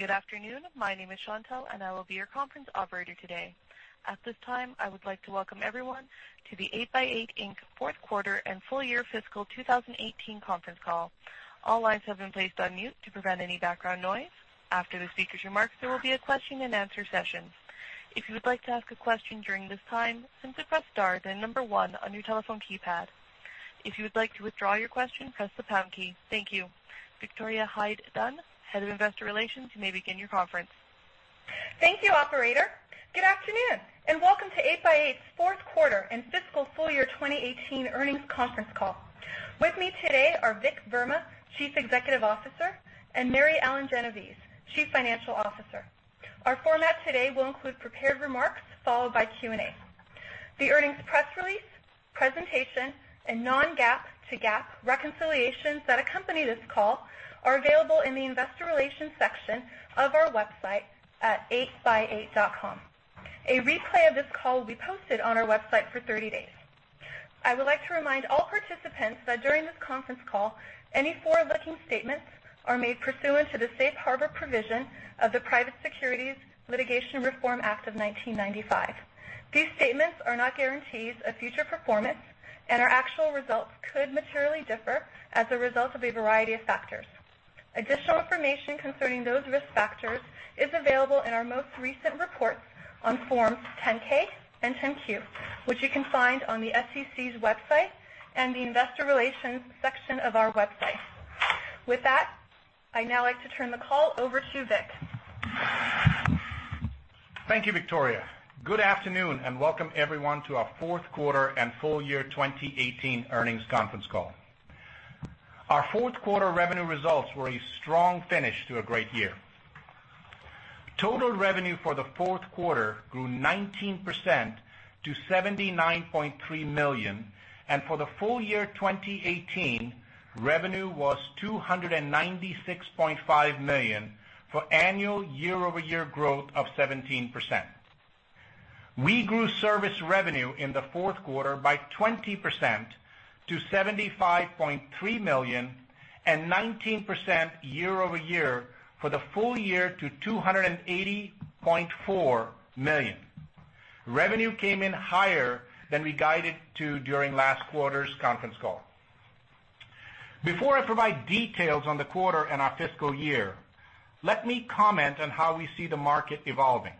Good afternoon. My name is Chantelle, and I will be your conference operator today. At this time, I would like to welcome everyone to the 8x8, Inc. Fourth Quarter and Full Year Fiscal 2018 Conference Call. All lines have been placed on mute to prevent any background noise. After the speaker's remarks, there will be a question and answer session. If you would like to ask a question during this time, simply press star, then number one on your telephone keypad. If you would like to withdraw your question, press the pound key. Thank you. Victoria Hyde-Dunn, Head of Investor Relations, you may begin your conference. Thank you, operator. Good afternoon, welcome to 8x8's fourth quarter and fiscal full year 2018 earnings conference call. With me today are Vik Verma, Chief Executive Officer, and Mary Ellen Genovese, Chief Financial Officer. Our format today will include prepared remarks followed by Q&A. The earnings press release, presentation, and non-GAAP to GAAP reconciliations that accompany this call are available in the investor relations section of our website at 8x8.com. A replay of this call will be posted on our website for 30 days. I would like to remind all participants that during this conference call, any forward-looking statements are made pursuant to the Safe Harbor provision of the Private Securities Litigation Reform Act of 1995. These statements are not guarantees of future performance, and our actual results could materially differ as a result of a variety of factors. Additional information concerning those risk factors is available in our most recent reports on forms 10-K and 10-Q, which you can find on the SEC's website and the investor relations section of our website. With that, I'd now like to turn the call over to Vik. Thank you, Victoria. Good afternoon, welcome everyone to our fourth quarter and full year 2018 earnings conference call. Our fourth quarter revenue results were a strong finish to a great year. Total revenue for the fourth quarter grew 19% to $79.3 million, for the full year 2018, revenue was $296.5 million for annual year-over-year growth of 17%. We grew service revenue in the fourth quarter by 20% to $75.3 million and 19% year-over-year for the full year to $280.4 million. Revenue came in higher than we guided to during last quarter's conference call. Before I provide details on the quarter and our fiscal year, let me comment on how we see the market evolving.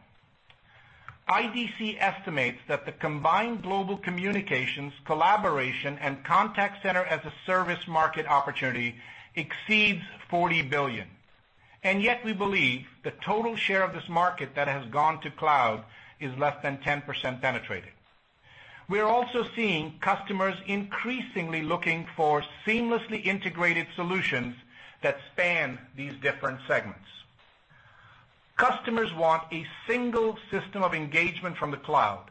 IDC estimates that the combined global communications, collaboration, and contact center-as-a-service market opportunity exceeds $40 billion. We believe the total share of this market that has gone to cloud is less than 10% penetrated. We are also seeing customers increasingly looking for seamlessly integrated solutions that span these different segments. Customers want a single system of engagement from the cloud,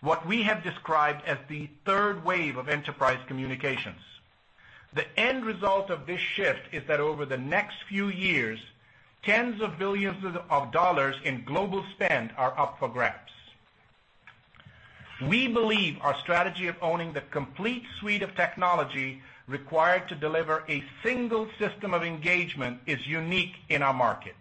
what we have described as the third wave of enterprise communications. The end result of this shift is that over the next few years, tens of billions of dollars in global spend are up for grabs. We believe our strategy of owning the complete suite of technology required to deliver a single system of engagement is unique in our market,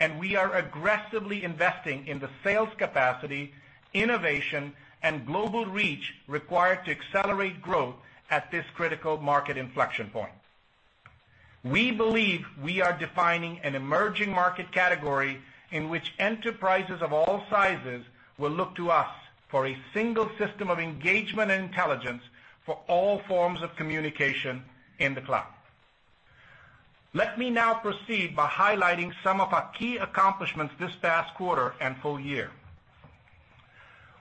and we are aggressively investing in the sales capacity, innovation, and global reach required to accelerate growth at this critical market inflection point. We believe we are defining an emerging market category in which enterprises of all sizes will look to us for a single system of engagement and intelligence for all forms of communication in the cloud. Let me now proceed by highlighting some of our key accomplishments this past quarter and full year.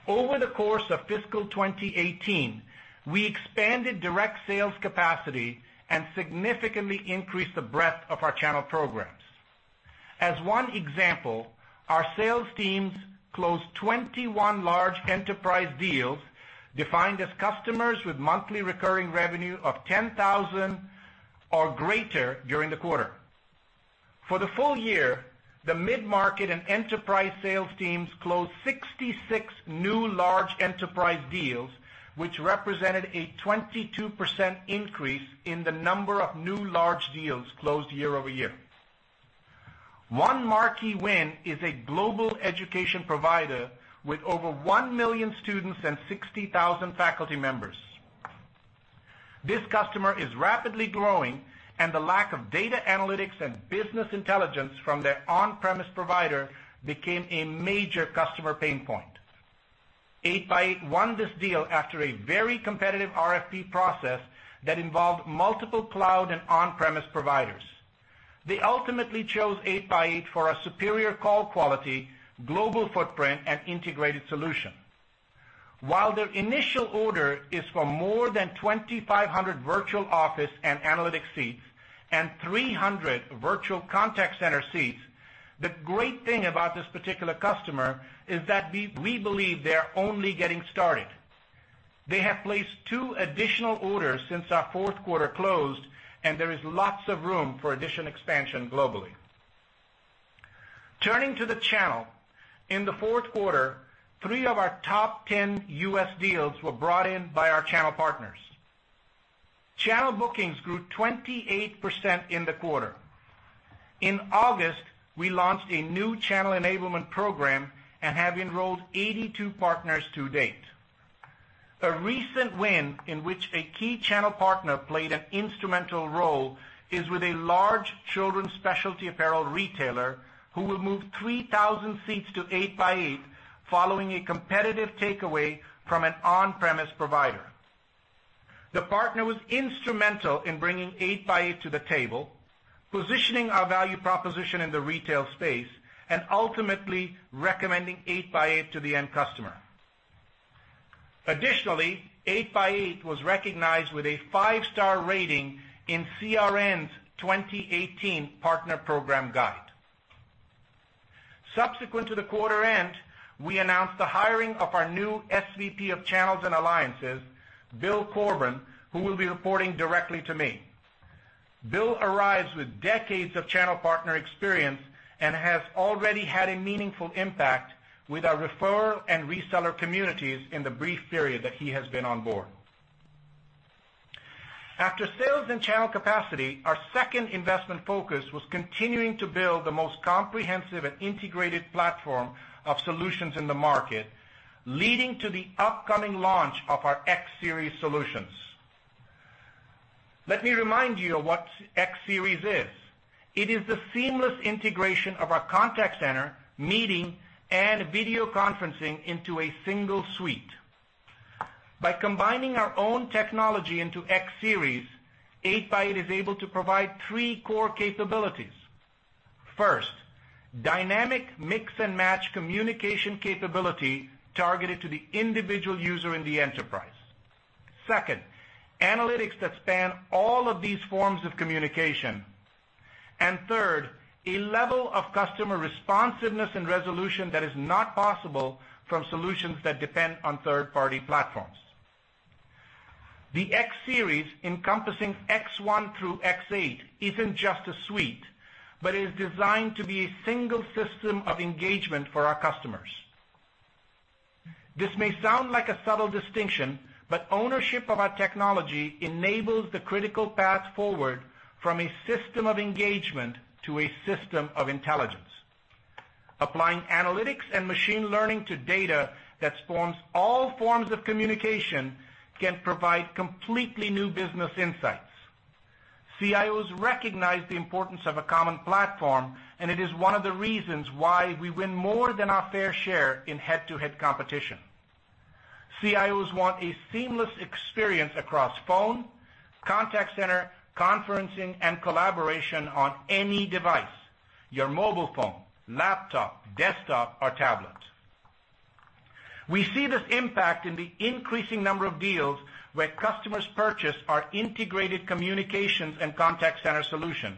Over the course of fiscal 2018, we expanded direct sales capacity and significantly increased the breadth of our channel programs. As one example, our sales teams closed 21 large enterprise deals defined as customers with monthly recurring revenue of $10,000 or greater during the quarter. For the full year, the mid-market and enterprise sales teams closed 66 new large enterprise deals, which represented a 22% increase in the number of new large deals closed year-over-year. One marquee win is a global education provider with over 1 million students and 60,000 faculty members. This customer is rapidly growing. The lack of data analytics and business intelligence from their on-premise provider became a major customer pain point. 8x8 won this deal after a very competitive RFP process that involved multiple cloud and on-premise providers. They ultimately chose 8x8 for a superior call quality, global footprint, and integrated solution. While their initial order is for more than 2,500 Virtual Office and analytics seats and 300 Virtual Contact Center seats, the great thing about this particular customer is that we believe they're only getting started. They have placed two additional orders since our fourth quarter closed, and there is lots of room for addition expansion globally. Turning to the channel. In the fourth quarter, three of our top 10 U.S. deals were brought in by our channel partners. Channel bookings grew 28% in the quarter. In August, we launched a new channel enablement program and have enrolled 82 partners to date. A recent win in which a key channel partner played an instrumental role is with a large children's specialty apparel retailer who will move 3,000 seats to 8x8 following a competitive takeaway from an on-premise provider. The partner was instrumental in bringing 8x8 to the table, positioning our value proposition in the retail space, and ultimately recommending 8x8 to the end customer. Additionally, 8x8 was recognized with a five-star rating in CRN's 2018 Partner Program Guide. Subsequent to the quarter end, we announced the hiring of our new SVP of Channels and Alliances, Bill Corbin, who will be reporting directly to me. Bill arrives with decades of channel partner experience and has already had a meaningful impact with our referral and reseller communities in the brief period that he has been on board. After sales and channel capacity, our second investment focus was continuing to build the most comprehensive and integrated platform of solutions in the market, leading to the upcoming launch of our X Series solutions. Let me remind you of what X Series is. It is the seamless integration of our contact center, meeting, and video conferencing into a single suite. By combining our own technology into X Series, 8x8 is able to provide 3 core capabilities. First, dynamic mix-and-match communication capability targeted to the individual user in the enterprise. Second, analytics that span all of these forms of communication. Third, a level of customer responsiveness and resolution that is not possible from solutions that depend on third-party platforms. The X Series encompassing X1 through X8 isn't just a suite, but is designed to be a single system of engagement for our customers. This may sound like a subtle distinction, but ownership of our technology enables the critical path forward from a system of engagement to a system of intelligence. Applying analytics and machine learning to data that spans all forms of communication can provide completely new business insights. CIOs recognize the importance of a common platform. It is one of the reasons why we win more than our fair share in head-to-head competition. CIOs want a seamless experience across phone, contact center, conferencing, and collaboration on any device, your mobile phone, laptop, desktop or tablet. We see this impact in the increasing number of deals where customers purchase our integrated communications and contact center solution,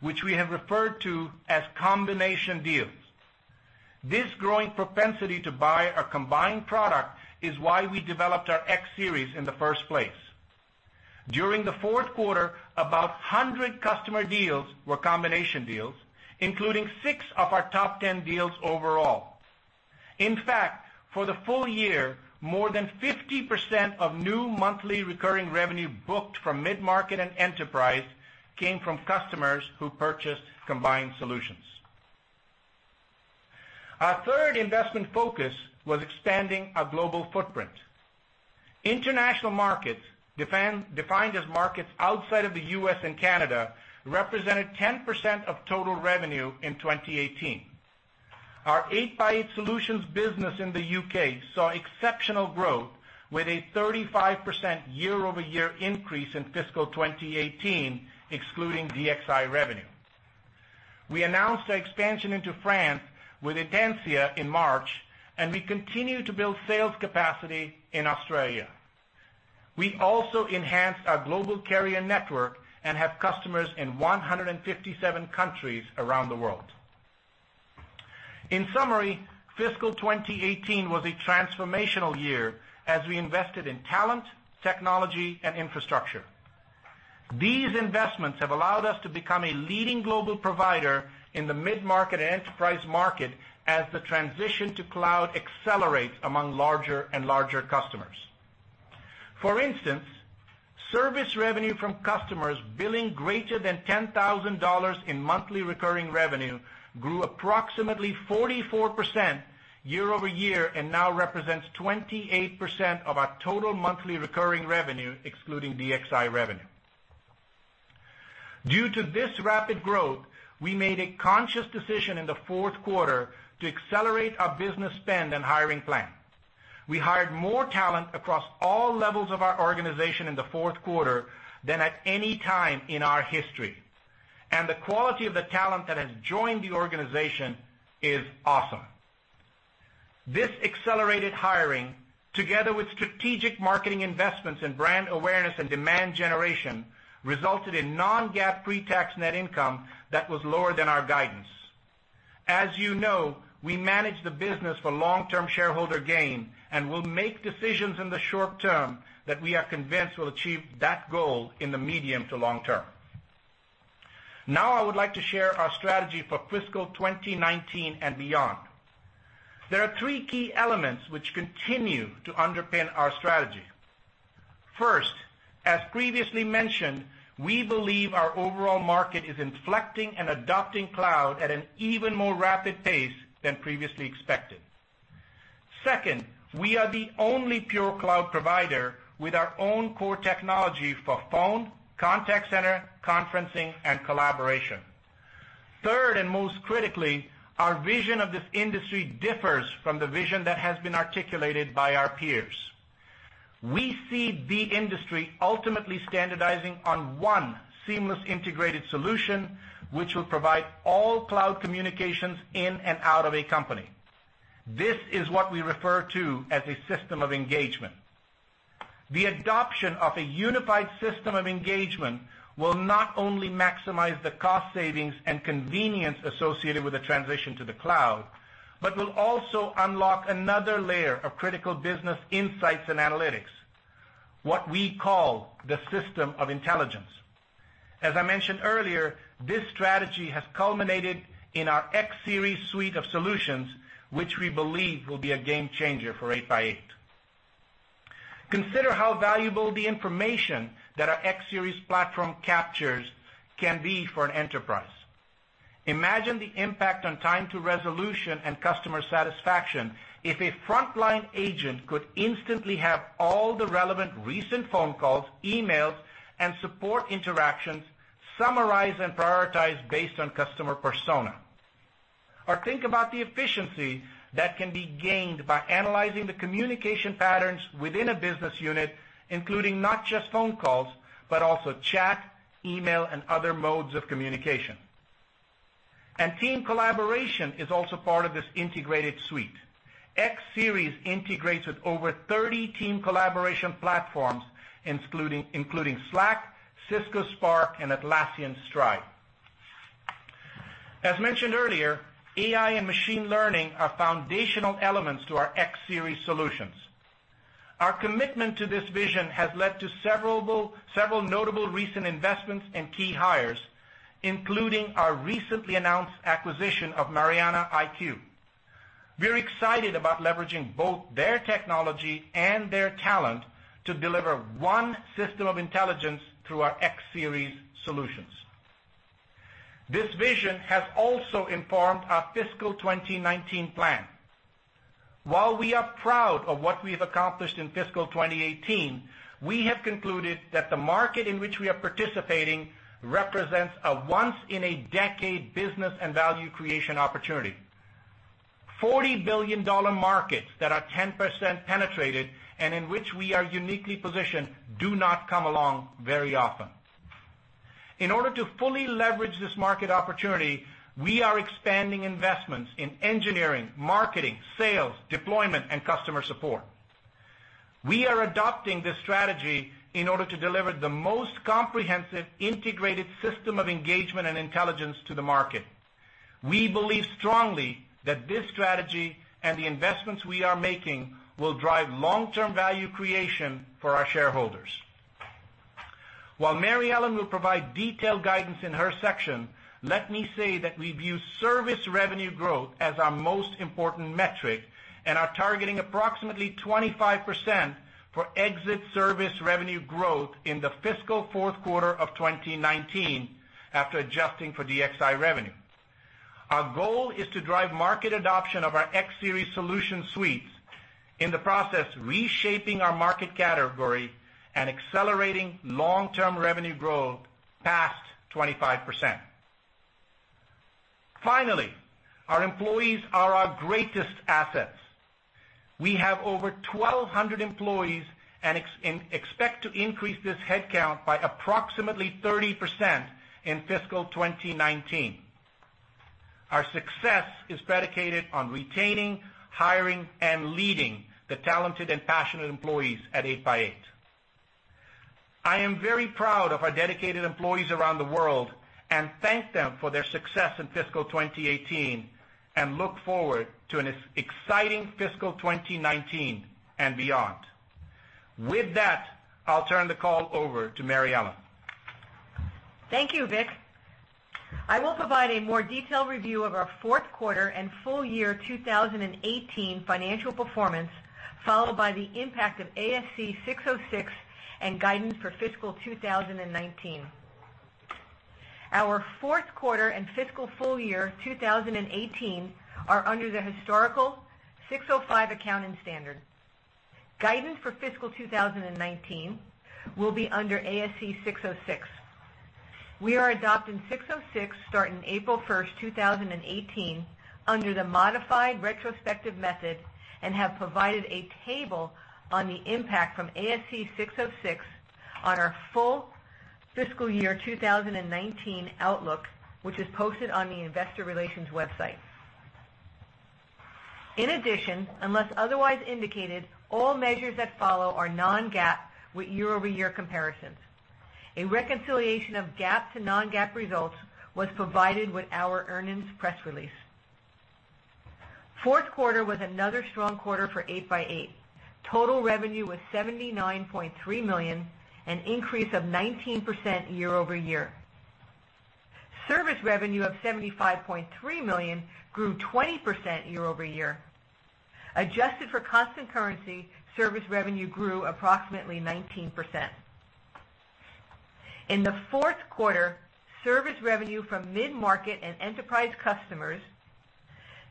which we have referred to as combination deals. This growing propensity to buy our combined product is why we developed our X Series in the first place. During the fourth quarter, about 100 customer deals were combination deals, including 6 of our top 10 deals overall. In fact, for the full year, more than 50% of new monthly recurring revenue booked from mid-market and enterprise came from customers who purchased combined solutions. Our third investment focus was expanding our global footprint. International markets, defined as markets outside of the U.S. and Canada, represented 10% of total revenue in 2018. Our 8x8 solutions business in the U.K. saw exceptional growth with a 35% year-over-year increase in fiscal 2018, excluding DXI revenue. We announced our expansion into France with Edencia in March. We continue to build sales capacity in Australia. We also enhanced our global carrier network and have customers in 157 countries around the world. In summary, fiscal 2018 was a transformational year as we invested in talent, technology, and infrastructure. These investments have allowed us to become a leading global provider in the mid-market and enterprise market as the transition to cloud accelerates among larger and larger customers. For instance, service revenue from customers billing greater than $10,000 in monthly recurring revenue grew approximately 44% year-over-year and now represents 28% of our total monthly recurring revenue, excluding DXI revenue. Due to this rapid growth, we made a conscious decision in the fourth quarter to accelerate our business spend and hiring plan. We hired more talent across all levels of our organization in the fourth quarter than at any time in our history. The quality of the talent that has joined the organization is awesome. This accelerated hiring, together with strategic marketing investments in brand awareness and demand generation, resulted in non-GAAP pre-tax net income that was lower than our guidance. As you know, we manage the business for long-term shareholder gain and will make decisions in the short term that we are convinced will achieve that goal in the medium to long term. Now I would like to share our strategy for fiscal 2019 and beyond. There are three key elements which continue to underpin our strategy. First, as previously mentioned, we believe our overall market is inflecting and adopting cloud at an even more rapid pace than previously expected. Second, we are the only pure cloud provider with our own core technology for phone, contact center, conferencing, and collaboration. Third, and most critically, our vision of this industry differs from the vision that has been articulated by our peers. We see the industry ultimately standardizing on one seamless integrated solution, which will provide all cloud communications in and out of a company. This is what we refer to as a system of engagement. The adoption of a unified system of engagement will not only maximize the cost savings and convenience associated with the transition to the cloud, but will also unlock another layer of critical business insights and analytics, what we call the system of intelligence. As I mentioned earlier, this strategy has culminated in our X Series suite of solutions, which we believe will be a game changer for 8x8. Consider how valuable the information that our X Series platform captures can be for an enterprise. Imagine the impact on time to resolution and customer satisfaction if a frontline agent could instantly have all the relevant recent phone calls, emails, and support interactions summarized and prioritized based on customer persona. Think about the efficiency that can be gained by analyzing the communication patterns within a business unit, including not just phone calls, but also chat, email, and other modes of communication. Team collaboration is also part of this integrated suite. X Series integrates with over 30 team collaboration platforms, including Slack, Cisco Spark, and Atlassian Stride. As mentioned earlier, AI and machine learning are foundational elements to our X Series solutions. Our commitment to this vision has led to several notable recent investments and key hires, including our recently announced acquisition of MarianaIQ. We're excited about leveraging both their technology and their talent to deliver one system of intelligence through our X Series solutions. This vision has also informed our fiscal 2019 plan. While we are proud of what we've accomplished in fiscal 2018, we have concluded that the market in which we are participating represents a once-in-a-decade business and value creation opportunity. $40 billion markets that are 10% penetrated and in which we are uniquely positioned do not come along very often. In order to fully leverage this market opportunity, we are expanding investments in engineering, marketing, sales, deployment, and customer support. We are adopting this strategy in order to deliver the most comprehensive, integrated system of engagement and intelligence to the market. We believe strongly that this strategy and the investments we are making will drive long-term value creation for our shareholders. While Mary Ellen will provide detailed guidance in her section, let me say that we view service revenue growth as our most important metric and are targeting approximately 25% for exit service revenue growth in the fiscal fourth quarter of 2019 after adjusting for DXI revenue. Our goal is to drive market adoption of our X Series solution suites, in the process reshaping our market category and accelerating long-term revenue growth past 25%. Finally, our employees are our greatest assets. We have over 1,200 employees and expect to increase this head count by approximately 30% in fiscal 2019. Our success is predicated on retaining, hiring, and leading the talented and passionate employees at 8x8. I am very proud of our dedicated employees around the world and thank them for their success in fiscal 2018 and look forward to an exciting fiscal 2019 and beyond. With that, I'll turn the call over to Mary Ellen. Thank you, Vik. I will provide a more detailed review of our fourth quarter and full year 2018 financial performance, followed by the impact of ASC 606 and guidance for fiscal 2019. Our fourth quarter and fiscal full year 2018 are under the historical ASC 605 accounting standard. Guidance for fiscal 2019 will be under ASC 606. We are adopting 606 starting April 1st, 2018 under the modified retrospective method and have provided a table on the impact from ASC 606 on our full fiscal year 2019 outlook, which is posted on the investor relations website. In addition, unless otherwise indicated, all measures that follow are non-GAAP with year-over-year comparisons. A reconciliation of GAAP to non-GAAP results was provided with our earnings press release. Fourth quarter was another strong quarter for 8x8. Total revenue was $79.3 million, an increase of 19% year-over-year. Service revenue of $75.3 million grew 20% year-over-year. Adjusted for constant currency, service revenue grew approximately 19%. In the fourth quarter, service revenue from mid-market and enterprise customers,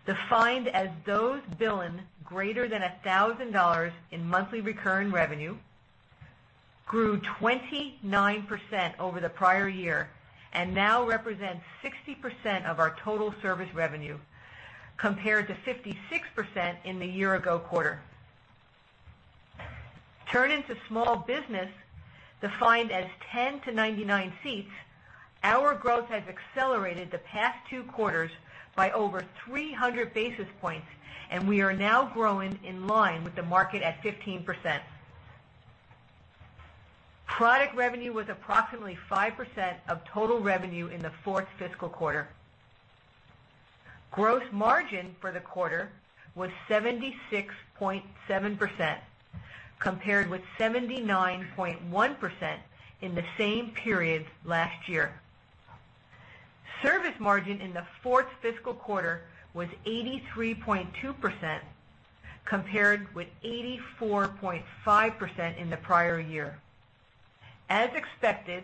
defined as those billing greater than $1,000 in monthly recurring revenue, grew 29% over the prior year and now represents 60% of our total service revenue, compared to 56% in the year-ago quarter. Turning to small business, defined as 10-99 seats, our growth has accelerated the past two quarters by over 300 basis points, and we are now growing in line with the market at 15%. Product revenue was approximately 5% of total revenue in the fourth fiscal quarter. Gross margin for the quarter was 76.7%, compared with 79.1% in the same period last year. Service margin in the fourth fiscal quarter was 83.2%, compared with 84.5% in the prior year. As expected,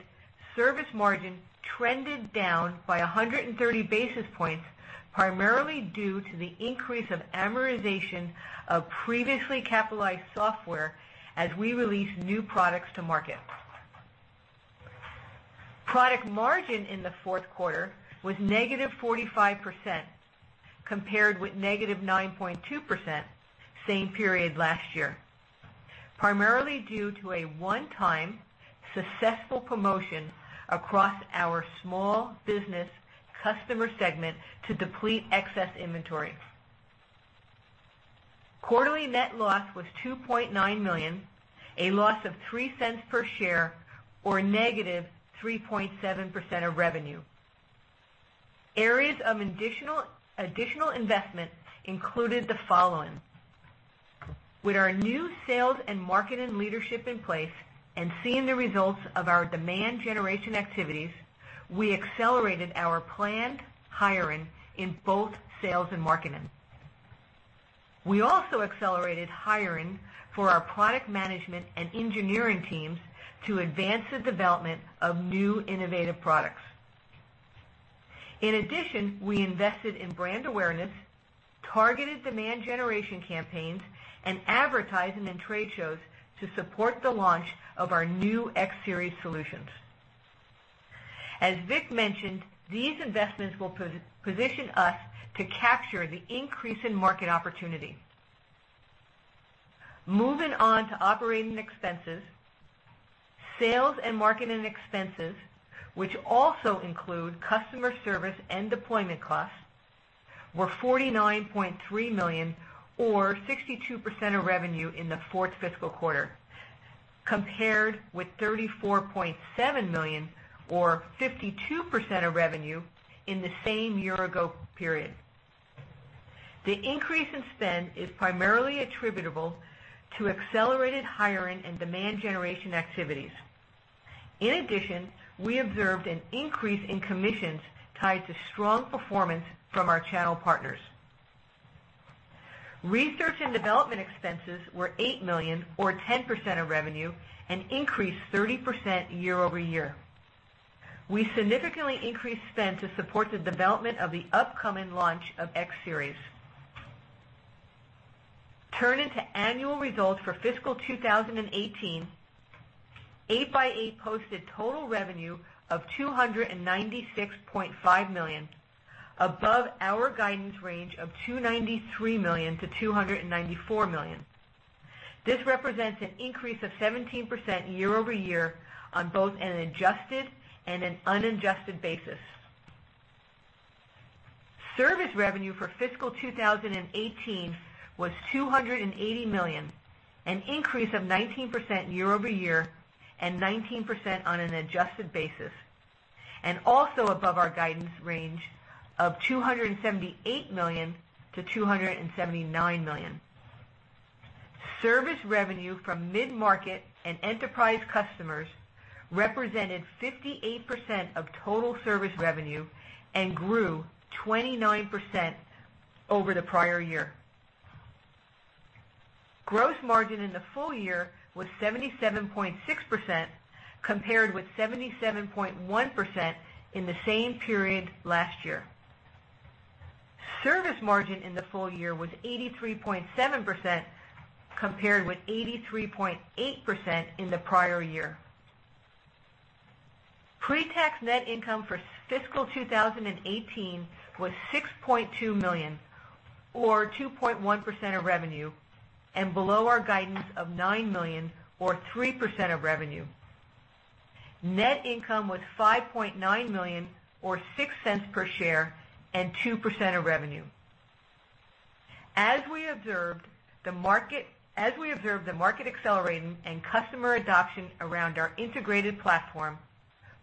service margin trended down by 130 basis points, primarily due to the increase of amortization of previously capitalized software as we release new products to market. Product margin in the fourth quarter was negative 45%, compared with negative 9.2% same period last year, primarily due to a one-time successful promotion across our small business customer segment to deplete excess inventory. Quarterly net loss was $2.9 million, a loss of $0.03 per share or negative 3.7% of revenue. Areas of additional investment included the following. With our new sales and marketing leadership in place and seeing the results of our demand generation activities, we accelerated our planned hiring in both sales and marketing. We also accelerated hiring for our product management and engineering teams to advance the development of new innovative products. In addition, we invested in brand awareness, targeted demand generation campaigns, and advertising in trade shows to support the launch of our new X Series solutions. As Vik mentioned, these investments will position us to capture the increase in market opportunity. Moving on to operating expenses. Sales and marketing expenses, which also include customer service and deployment costs, were $49.3 million, or 62% of revenue in the fourth fiscal quarter, compared with $34.7 million, or 52% of revenue in the same year-ago period. The increase in spend is primarily attributable to accelerated hiring and demand generation activities. In addition, we observed an increase in commissions tied to strong performance from our channel partners. Research and development expenses were $8 million or 10% of revenue, an increase 30% year-over-year. We significantly increased spend to support the development of the upcoming launch of X Series. Turning to annual results for fiscal 2018, 8x8 posted total revenue of $296.5 million, above our guidance range of $293 million-$294 million. This represents an increase of 17% year-over-year on both an adjusted and an unadjusted basis. Service revenue for fiscal 2018 was $280 million, an increase of 19% year-over-year and 19% on an adjusted basis, and also above our guidance range of $278 million-$279 million. Service revenue from mid-market and enterprise customers represented 58% of total service revenue and grew 29% over the prior year. Gross margin in the full year was 77.6%, compared with 77.1% in the same period last year. Service margin in the full year was 83.7%, compared with 83.8% in the prior year. Pre-tax net income for fiscal 2018 was $6.2 million, or 2.1% of revenue, and below our guidance of $9 million or 3% of revenue. Net income was $5.9 million or $0.06 per share and 2% of revenue. As we observed the market accelerating and customer adoption around our integrated platform,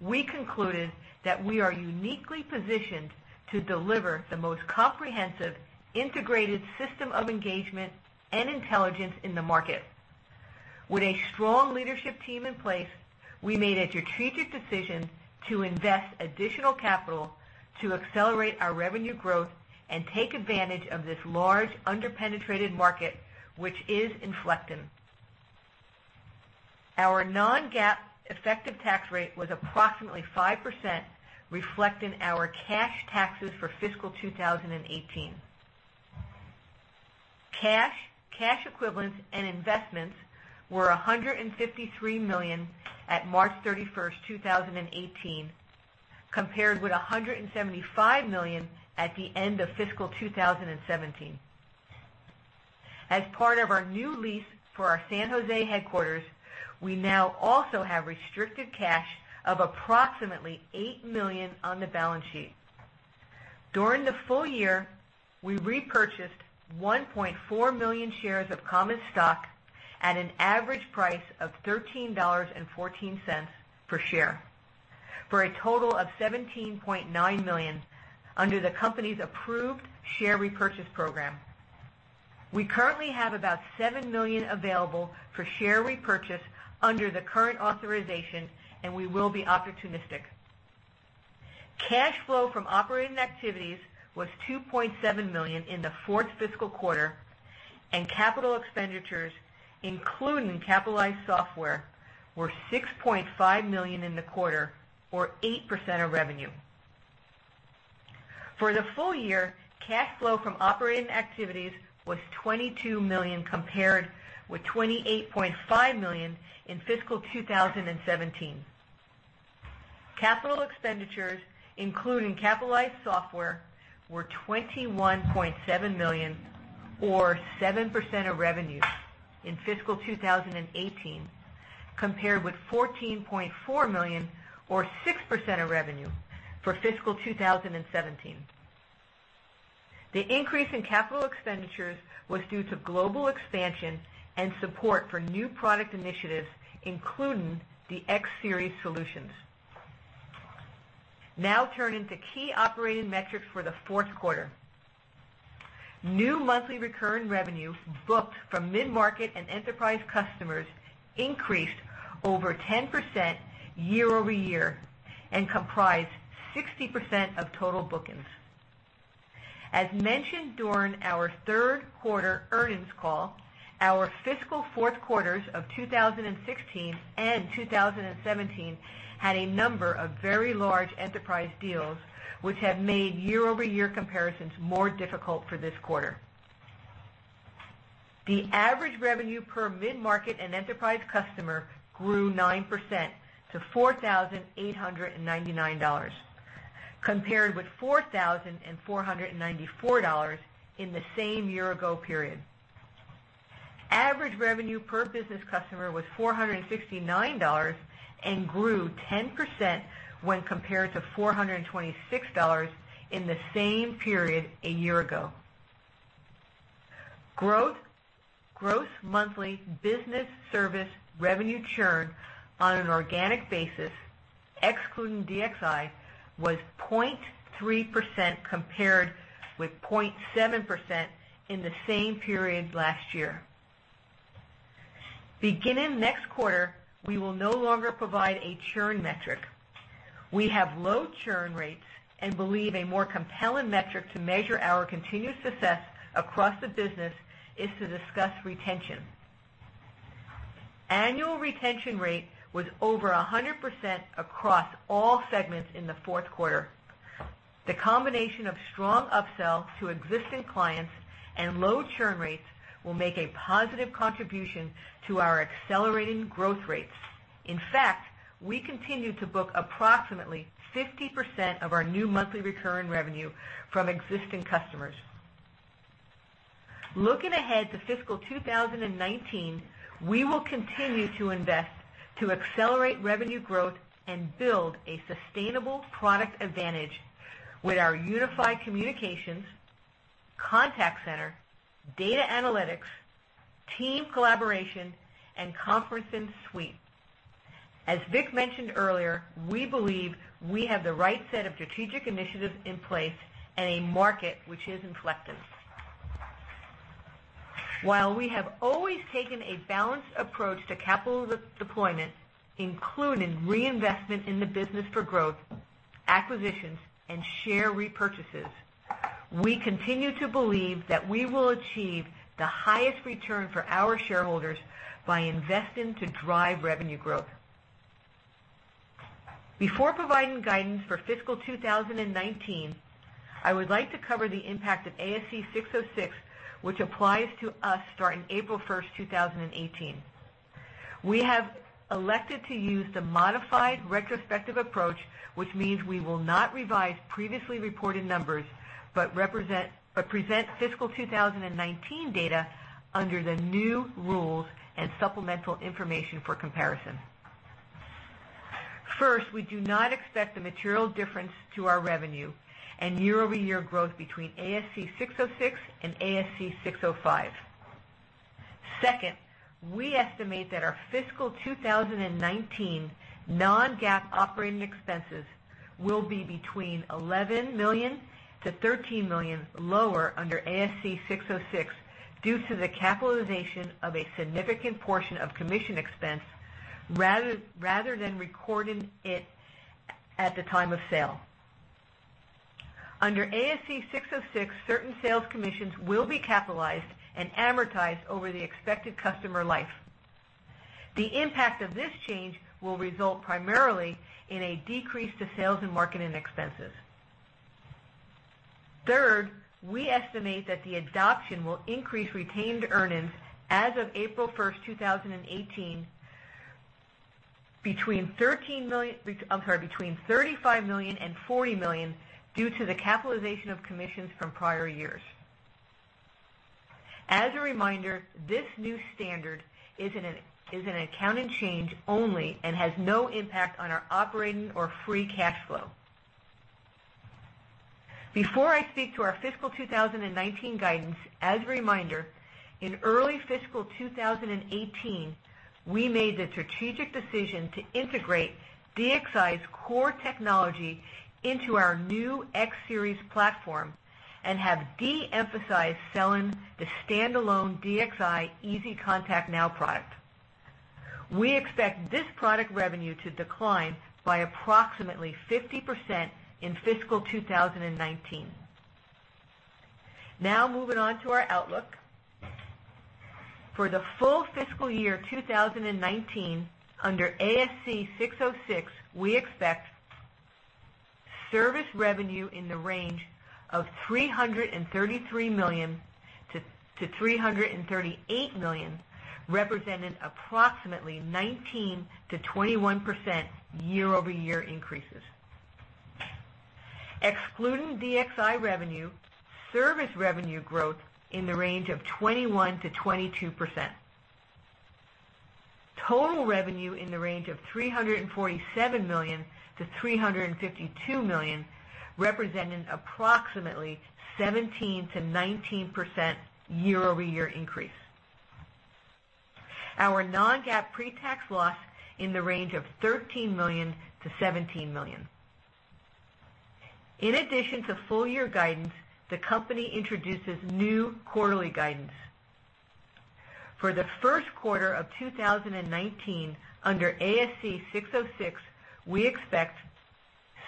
we concluded that we are uniquely positioned to deliver the most comprehensive, integrated system of engagement and intelligence in the market. With a strong leadership team in place, we made a strategic decision to invest additional capital to accelerate our revenue growth and take advantage of this large, under-penetrated market, which is inflecting. Our non-GAAP effective tax rate was approximately 5%, reflecting our cash taxes for fiscal 2018. Cash, cash equivalents, and investments were $153 million at March 31st, 2018, compared with $175 million at the end of fiscal 2017. As part of our new lease for our San Jose headquarters, we now also have restricted cash of approximately $8 million on the balance sheet. During the full year, we repurchased 1.4 million shares of common stock at an average price of $13.14 per share, for a total of $17.9 million under the company's approved share repurchase program. We currently have about $7 million available for share repurchase under the current authorization, and we will be opportunistic. Cash flow from operating activities was $2.7 million in the fourth fiscal quarter, and capital expenditures, including capitalized software, were $6.5 million in the quarter, or 8% of revenue. For the full year, cash flow from operating activities was $22 million, compared with $28.5 million in fiscal 2017. Capital expenditures, including capitalized software, were $21.7 million, or 7% of revenue in fiscal 2018, compared with $14.4 million, or 6% of revenue for fiscal 2017. The increase in capital expenditures was due to global expansion and support for new product initiatives, including the X Series solutions. Now, turning to key operating metrics for the fourth quarter. New monthly recurring revenue booked from mid-market and enterprise customers increased over 10% year-over-year and comprised 60% of total bookings. As mentioned during our third quarter earnings call, our fiscal fourth quarters of 2016 and 2017 had a number of very large enterprise deals, which have made year-over-year comparisons more difficult for this quarter. The average revenue per mid-market and enterprise customer grew 9% to $4,899, compared with $4,494 in the same year-ago period. Average revenue per business customer was $469 and grew 10% when compared to $426 in the same period a year ago. Gross monthly business service revenue churn on an organic basis, excluding DXi, was 0.3% compared with 0.7% in the same period last year. Beginning next quarter, we will no longer provide a churn metric. We have low churn rates and believe a more compelling metric to measure our continued success across the business is to discuss retention. Annual retention rate was over 100% across all segments in the fourth quarter. The combination of strong upsells to existing clients and low churn rates will make a positive contribution to our accelerating growth rates. In fact, we continue to book approximately 50% of our new monthly recurring revenue from existing customers. Looking ahead to fiscal 2019, we will continue to invest to accelerate revenue growth and build a sustainable product advantage with our unified communications, contact center, data analytics, team collaboration, and conferencing suite. As Vik mentioned earlier, we believe we have the right set of strategic initiatives in place and a market which is inflecting. While we have always taken a balanced approach to capital deployment, including reinvestment in the business for growth, acquisitions, and share repurchases, we continue to believe that we will achieve the highest return for our shareholders by investing to drive revenue growth. Before providing guidance for fiscal 2019, I would like to cover the impact of ASC 606, which applies to us starting April 1st, 2018. We have elected to use the modified retrospective approach, which means we will not revise previously reported numbers, but present fiscal 2019 data under the new rules and supplemental information for comparison. First, we do not expect a material difference to our revenue and year-over-year growth between ASC 606 and ASC 605. Second, we estimate that our fiscal 2019 non-GAAP operating expenses will be between $11 million-$13 million lower under ASC 606 due to the capitalization of a significant portion of commission expense rather than recording it at the time of sale. Under ASC 606, certain sales commissions will be capitalized and amortized over the expected customer life. The impact of this change will result primarily in a decrease to sales and marketing expenses. Third, we estimate that the adoption will increase retained earnings as of April 1st, 2018, between $35 million and $40 million due to the capitalization of commissions from prior years. As a reminder, this new standard is an accounting change only and has no impact on our operating or free cash flow. Before I speak to our fiscal 2019 guidance, as a reminder, in early fiscal 2018, we made the strategic decision to integrate DXi's core technology into our new X Series platform and have de-emphasized selling the standalone DXi EasyContactNow product. We expect this product revenue to decline by approximately 50% in fiscal 2019. Now moving on to our outlook. For the full fiscal year 2019 under ASC 606, we expect service revenue in the range of $333 million-$338 million, representing approximately 19%-21% year-over-year increases. Excluding DXi revenue, service revenue growth in the range of 21%-22%. Total revenue in the range of $347 million-$352 million, representing approximately 17%-19% year-over-year increase. Our non-GAAP pre-tax loss in the range of $13 million-$17 million. In addition to full year guidance, the company introduces new quarterly guidance. For the first quarter of 2019 under ASC 606, we expect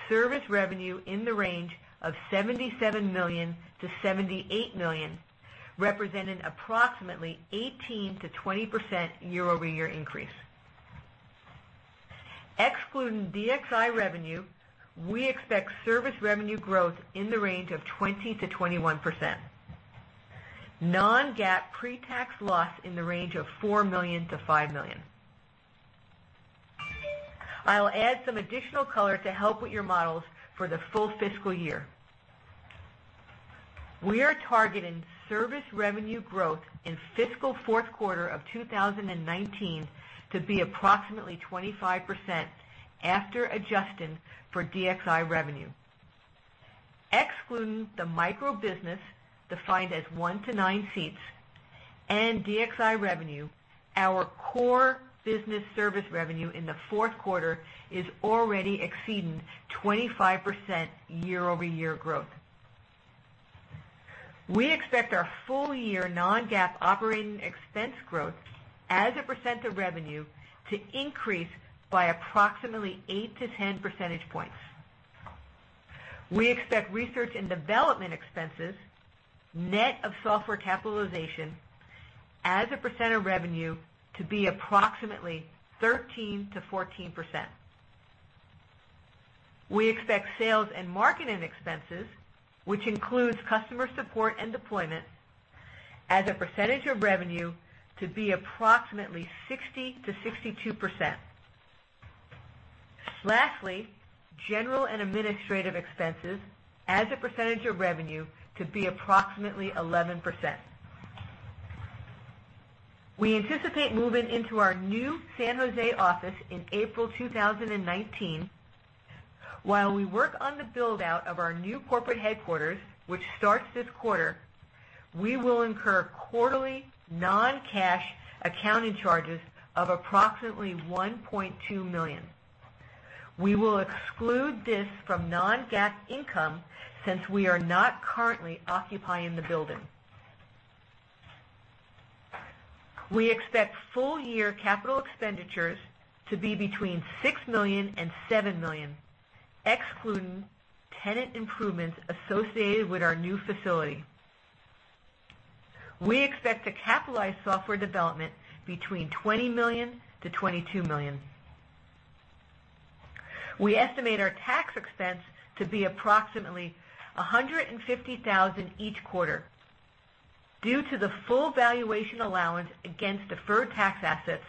service revenue in the range of $77 million-$78 million, representing approximately 18%-20% year-over-year increase. Excluding DXi revenue, we expect service revenue growth in the range of 20%-21%. Non-GAAP pre-tax loss in the range of $4 million-$5 million. I'll add some additional color to help with your models for the full fiscal year. We are targeting service revenue growth in fiscal fourth quarter of 2019 to be approximately 25% after adjusting for DXi revenue. Excluding the micro business defined as one to nine seats and DXi revenue, our core business service revenue in the fourth quarter is already exceeding 25% year-over-year growth. We expect our full year non-GAAP operating expense growth as a percent of revenue to increase by approximately 8 to 10 percentage points. We expect R&D expenses, net of software capitalization as a percent of revenue to be approximately 13%-14%. We expect sales and marketing expenses, which includes customer support and deployment, as a percentage of revenue to be approximately 60%-62%. Lastly, G&A expenses as a percentage of revenue to be approximately 11%. We anticipate moving into our new San Jose office in April 2019. While we work on the build-out of our new corporate headquarters, which starts this quarter, we will incur quarterly non-cash accounting charges of approximately $1.2 million. We will exclude this from non-GAAP income since we are not currently occupying the building. We expect full year capital expenditures to be between $6 million and $7 million, excluding tenant improvements associated with our new facility. We expect to capitalize software development between $20 million-$22 million. We estimate our tax expense to be approximately $150,000 each quarter. Due to the full valuation allowance against deferred tax assets,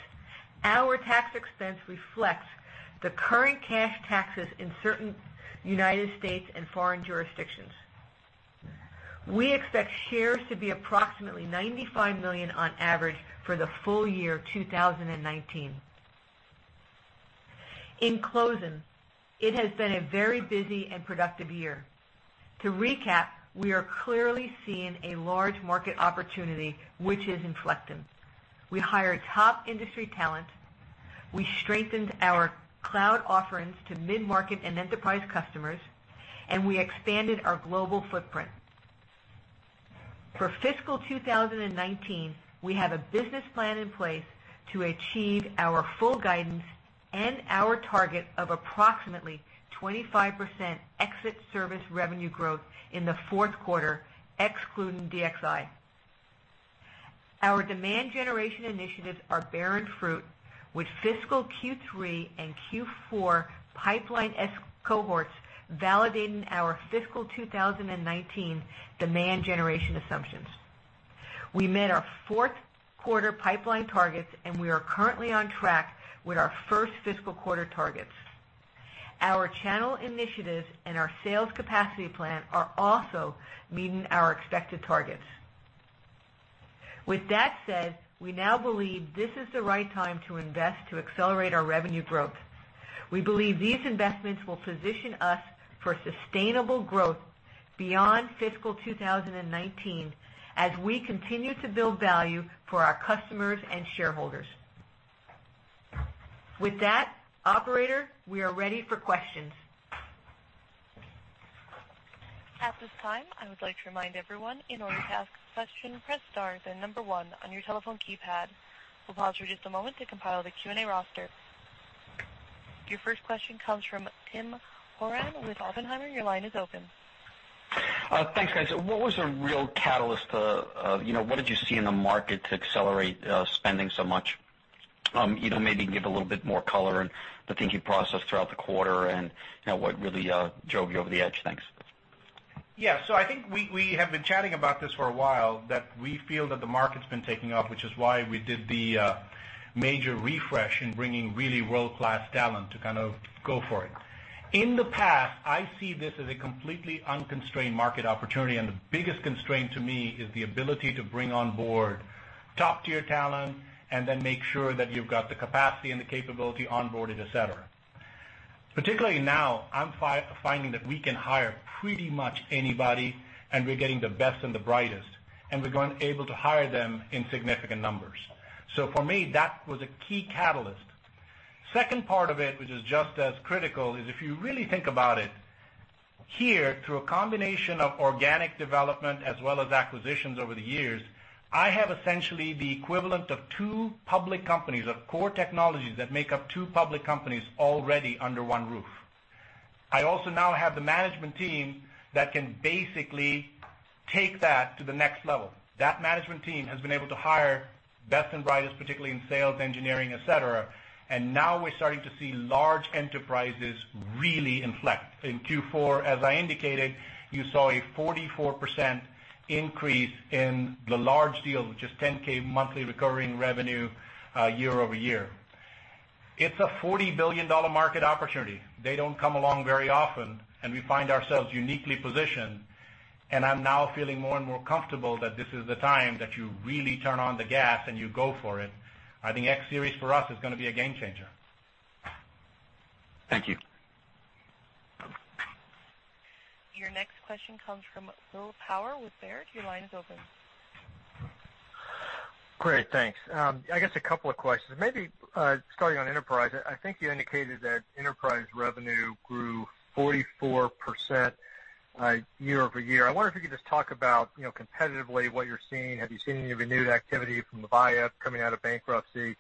our tax expense reflects the current cash taxes in certain U.S. and foreign jurisdictions. We expect shares to be approximately $95 million on average for the full year 2019. In closing, it has been a very busy and productive year. To recap, we are clearly seeing a large market opportunity, which is inflecting. We hired top industry talent, we strengthened our cloud offerings to mid-market and enterprise customers, and we expanded our global footprint. For fiscal 2019, we have a business plan in place to achieve our full guidance and our target of approximately 25% exit service revenue growth in the fourth quarter, excluding DXi. Our demand generation initiatives are bearing fruit with fiscal Q3 and Q4 pipeline cohorts validating our fiscal 2019 demand generation assumptions. We met our fourth quarter pipeline targets. We are currently on track with our first fiscal quarter targets. Our channel initiatives and our sales capacity plan are also meeting our expected targets. With that said, we now believe this is the right time to invest to accelerate our revenue growth. We believe these investments will position us for sustainable growth beyond fiscal 2019 as we continue to build value for our customers and shareholders. With that, operator, we are ready for questions. At this time, I would like to remind everyone, in order to ask a question, press star, then number 1 on your telephone keypad. We will pause for just a moment to compile the Q&A roster. Your first question comes from Tim Horan with Oppenheimer. Your line is open. Thanks, guys. What was the real catalyst? What did you see in the market to accelerate spending so much? Maybe give a little bit more color in the thinking process throughout the quarter and what really drove you over the edge. Thanks. Yeah. I think we have been chatting about this for a while, that we feel that the market's been taking off, which is why we did the major refresh in bringing really world-class talent to kind of go for it. In the past, I see this as a completely unconstrained market opportunity, and the biggest constraint to me is the ability to bring on board top-tier talent and then make sure that you've got the capacity and the capability onboarded, et cetera. Particularly now, I'm finding that we can hire pretty much anybody, and we're getting the best and the brightest, and we're able to hire them in significant numbers. For me, that was a key catalyst. Second part of it, which is just as critical, is if you really think about it, here, through a combination of organic development as well as acquisitions over the years, I have essentially the equivalent of 2 public companies, of core technologies that make up 2 public companies already under one roof. I also now have the management team that can basically take that to the next level. That management team has been able to hire best and brightest, particularly in sales, engineering, et cetera, and now we're starting to see large enterprises really inflect. In Q4, as I indicated, you saw a 44% increase in the large deals, which is 10K monthly recurring revenue year-over-year. It's a $40 billion market opportunity. They don't come along very often. We find ourselves uniquely positioned. I'm now feeling more and more comfortable that this is the time that you really turn on the gas and you go for it. I think X Series for us is going to be a game changer. Thank you. Your next question comes from William Power with Baird. Your line is open. Great, thanks. I guess a couple of questions. Maybe starting on enterprise. I think you indicated that enterprise revenue grew 44% year-over-year. I wonder if you could just talk about competitively what you're seeing. Have you seen any renewed activity from Avaya coming out of bankruptcy?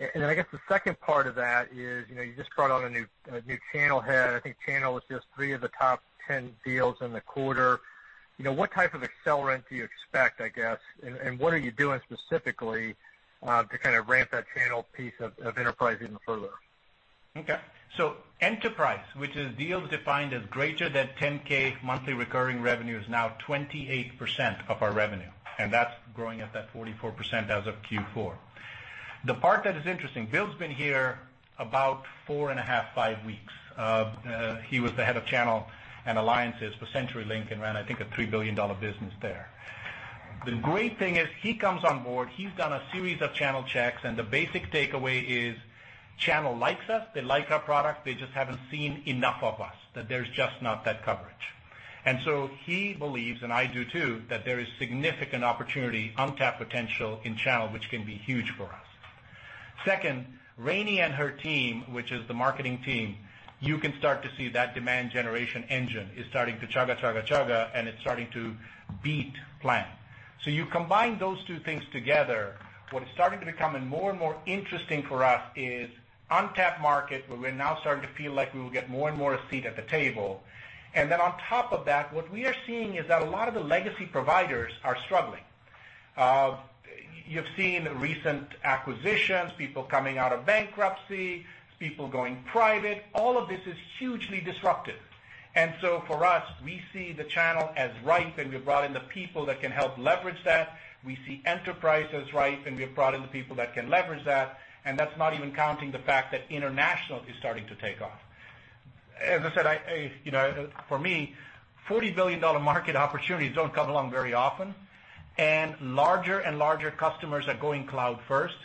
I guess the second part of that is, you just brought on a new channel head. I think channel was just three of the top 10 deals in the quarter. What type of accelerant do you expect, I guess, and what are you doing specifically to kind of ramp that channel piece of enterprise even further? Okay. Enterprise, which is deals defined as greater than 10K monthly recurring revenue, is now 28% of our revenue, and that's growing at that 44% as of Q4. The part that is interesting, Bill's been here about four and a half, five weeks. He was the head of channel and alliances for CenturyLink and ran, I think, a $3 billion business there. The great thing is, he comes on board, he's done a series of channel checks, and the basic takeaway is channel likes us, they like our product, they just haven't seen enough of us, that there's just not that coverage. He believes, and I do too, that there is significant opportunity, untapped potential in channel, which can be huge for us. Second, Rani and her team, which is the marketing team, you can start to see that demand generation engine is starting to chugga, chugga, and it's starting to beat plan. You combine those two things together, what is starting to become more and more interesting for us is untapped market, where we're now starting to feel like we will get more and more a seat at the table. On top of that, what we are seeing is that a lot of the legacy providers are struggling. You've seen recent acquisitions, people coming out of bankruptcy, people going private. All of this is hugely disruptive. For us, we see the channel as ripe, and we've brought in the people that can help leverage that. We see enterprise as ripe. We've brought in the people that can leverage that. That's not even counting the fact that international is starting to take off. As I said, for me, $40 billion market opportunities don't come along very often. Larger and larger customers are going cloud first.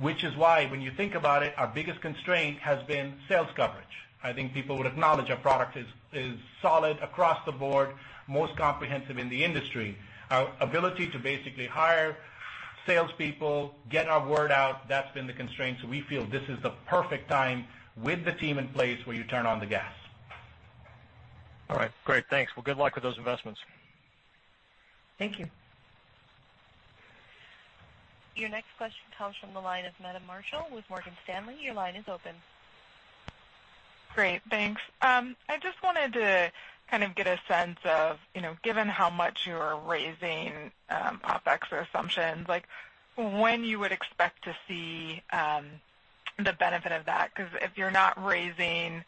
Which is why, when you think about it, our biggest constraint has been sales coverage. I think people would acknowledge our product is solid across the board, most comprehensive in the industry. Our ability to basically hire salespeople, get our word out, that's been the constraint. We feel this is the perfect time with the team in place where you turn on the gas. All right, great. Thanks. Well, good luck with those investments. Thank you. Your next question comes from the line of Meta Marshall with Morgan Stanley. Your line is open. Great, thanks. I just wanted to kind of get a sense of, given how much you are raising, OpEx or assumptions, when you would expect to see the benefit of that. If you're not raising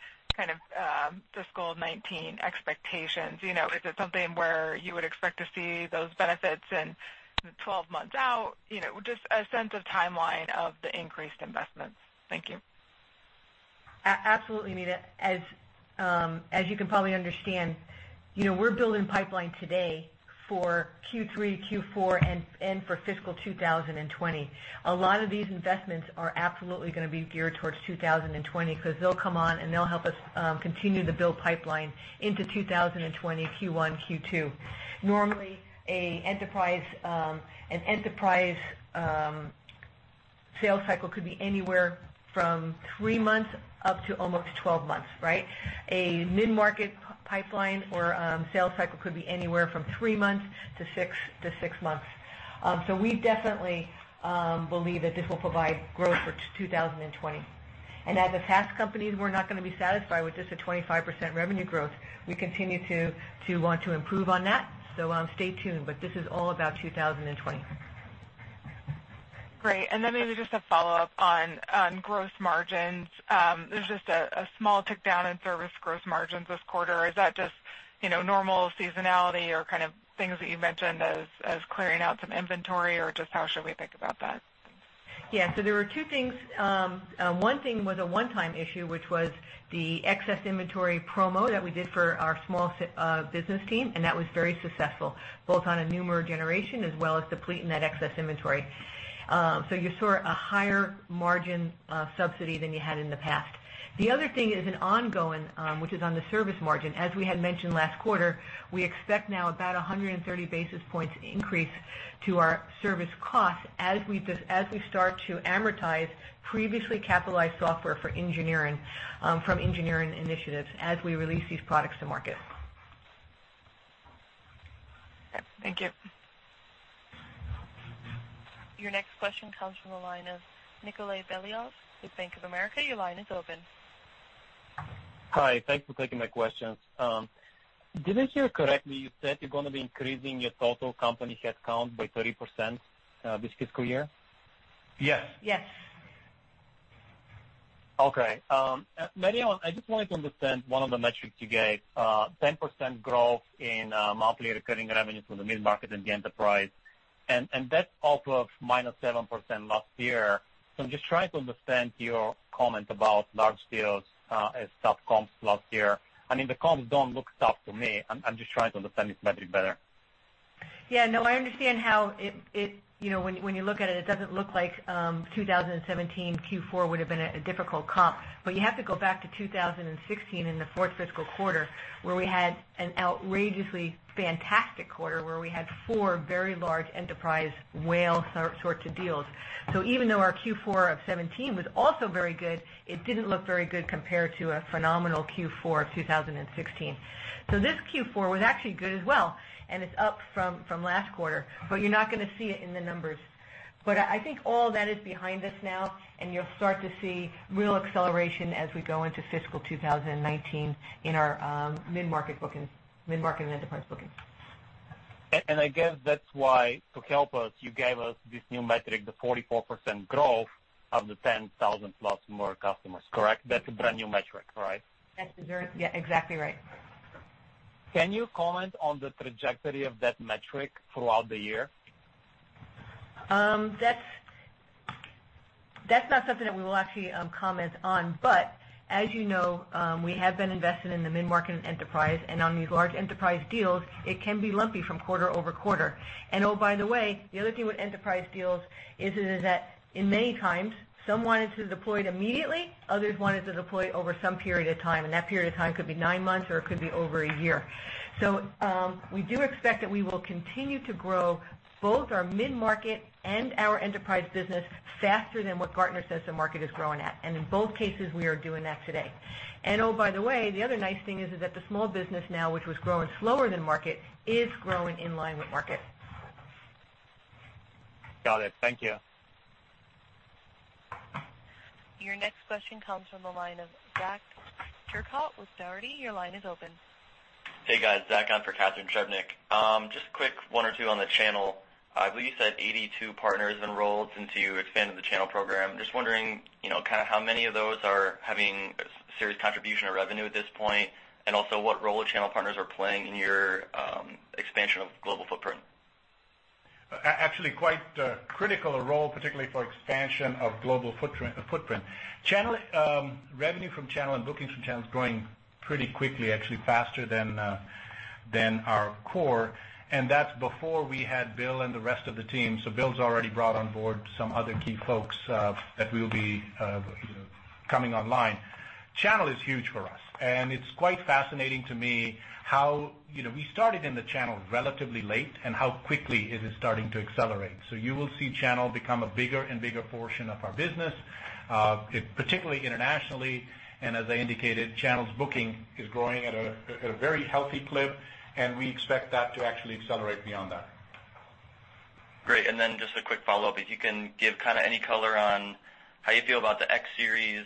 fiscal 2019 expectations, is it something where you would expect to see those benefits in 12 months out? Just a sense of timeline of the increased investments. Thank you. Absolutely, Meta. As you can probably understand, we're building pipeline today for Q3, Q4, and for fiscal 2020. A lot of these investments are absolutely going to be geared towards 2020, because they'll come on, and they'll help us continue to build pipeline into 2020 Q1, Q2. Normally, an enterprise sales cycle could be anywhere from three months up to almost 12 months, right? A mid-market pipeline or sales cycle could be anywhere from three months to six months. We definitely believe that this will provide growth for 2020. As a SaaS company, we're not going to be satisfied with just a 25% revenue growth. We continue to want to improve on that, so stay tuned. This is all about 2020. Great. Maybe just a follow-up on gross margins. There's just a small tick down in service gross margins this quarter. Is that just normal seasonality or kind of things that you mentioned as clearing out some inventory, or just how should we think about that? Yeah. There were two things. One thing was a one-time issue, which was the excess inventory promo that we did for our small business team, and that was very successful, both on a newer generation as well as depleting that excess inventory. You saw a higher-margin subsidy than you had in the past. The other thing is an ongoing, which is on the service margin. As we had mentioned last quarter, we expect now about 130 basis points increase to our service cost as we start to amortize previously capitalized software from engineering initiatives as we release these products to market. Okay. Thank you. Your next question comes from the line of Nikolay Beliov with Bank of America. Your line is open. Hi. Thanks for taking my questions. Did I hear correctly, you said you're going to be increasing your total company headcount by 30% this fiscal year? Yes. Yes. Okay. Mary Ellen, I just wanted to understand one of the metrics you gave, 10% growth in monthly recurring revenue from the mid-market and the enterprise, and that's off of -7% last year. I'm just trying to understand your comment about large deals as tough comps last year. I mean, the comps don't look tough to me. I'm just trying to understand this metric better. Yeah, no, I understand how when you look at it doesn't look like 2017 Q4 would've been a difficult comp. You have to go back to 2016 in the fourth fiscal quarter, where we had an outrageously fantastic quarter where we had four very large enterprise whale sorts of deals. Even though our Q4 of 2017 was also very good, it didn't look very good compared to a phenomenal Q4 2016. This Q4 was actually good as well, and it's up from last quarter, but you're not going to see it in the numbers. I think all that is behind us now, and you'll start to see real acceleration as we go into fiscal 2019 in our mid-market and enterprise bookings. I guess that's why, to help us, you gave us this new metric, the 44% growth of the 10,000 plus more customers, correct? That's a brand-new metric, correct? That's exactly right. Can you comment on the trajectory of that metric throughout the year? That's not something that we will actually comment on. As you know, we have been invested in the mid-market and enterprise, and on these large enterprise deals, it can be lumpy from quarter-over-quarter. Oh, by the way, the other thing with enterprise deals is that in many times, some wanted to deploy it immediately, others wanted to deploy over some period of time, and that period of time could be nine months, or it could be over a year. We do expect that we will continue to grow both our mid-market and our enterprise business faster than what Gartner says the market is growing at. In both cases, we are doing that today. Oh, by the way, the other nice thing is that the small business now, which was growing slower than market, is growing in line with market. Got it. Thank you. Your next question comes from the line of Zach Turcotte with Dougherty. Your line is open. Hey, guys. Zach on for Catharine Trebnick. A quick one or two on the channel. I believe you said 82 partners enrolled since you expanded the channel program. Wondering, kind of how many of those are having serious contribution of revenue at this point, and also what role channel partners are playing in your expansion of global footprint? Actually quite a critical role, particularly for expansion of global footprint. Revenue from channel and bookings from channel is growing pretty quickly, actually faster than our core, that's before we had Bill and the rest of the team. Bill's already brought on board some other key folks that will be coming online. Channel is huge for us, it's quite fascinating to me how, we started in the channel relatively late and how quickly it is starting to accelerate. You will see channel become a bigger and bigger portion of our business, particularly internationally, as I indicated, channels booking is growing at a very healthy clip, we expect that to actually accelerate beyond that. Great. A quick follow-up, if you can give any color on how you feel about the X Series,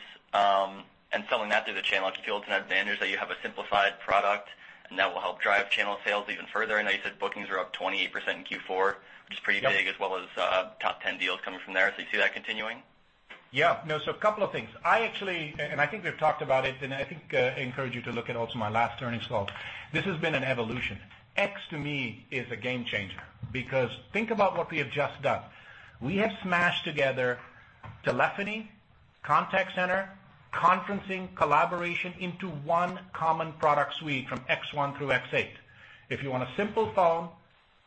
selling that through the channel. Do you feel it's an advantage that you have a simplified product that will help drive channel sales even further? I know you said bookings are up 28% in Q4. Yep Which is pretty big, as well as top 10 deals coming from there. You see that continuing? Yeah. A couple of things. I actually, and I think we've talked about it, and I think encourage you to look at also my last earnings call. This has been an evolution. X, to me, is a game changer because think about what we have just done. We have smashed together telephony, contact center, conferencing, collaboration into one common product suite from X1 through X8. If you want a simple phone,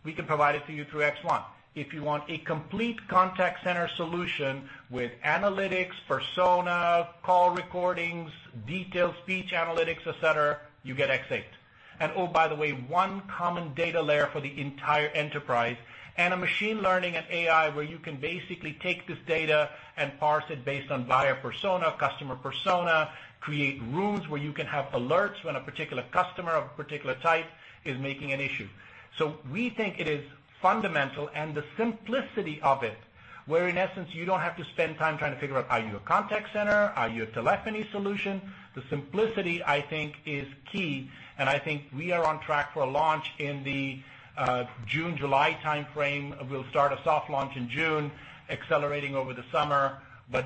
we can provide it to you through X1. If you want a complete contact center solution with analytics, persona, call recordings, detailed speech analytics, et cetera, you get X8. Oh, by the way, one common data layer for the entire enterprise and a machine learning and AI where you can basically take this data and parse it based on buyer persona, customer persona, create rules where you can have alerts when a particular customer of a particular type is making an issue. We think it is fundamental, and the simplicity of it, where in essence, you don't have to spend time trying to figure out are you a contact center? Are you a telephony solution? The simplicity, I think, is key, and I think we are on track for a launch in the June-July timeframe. We'll start a soft launch in June, accelerating over the summer.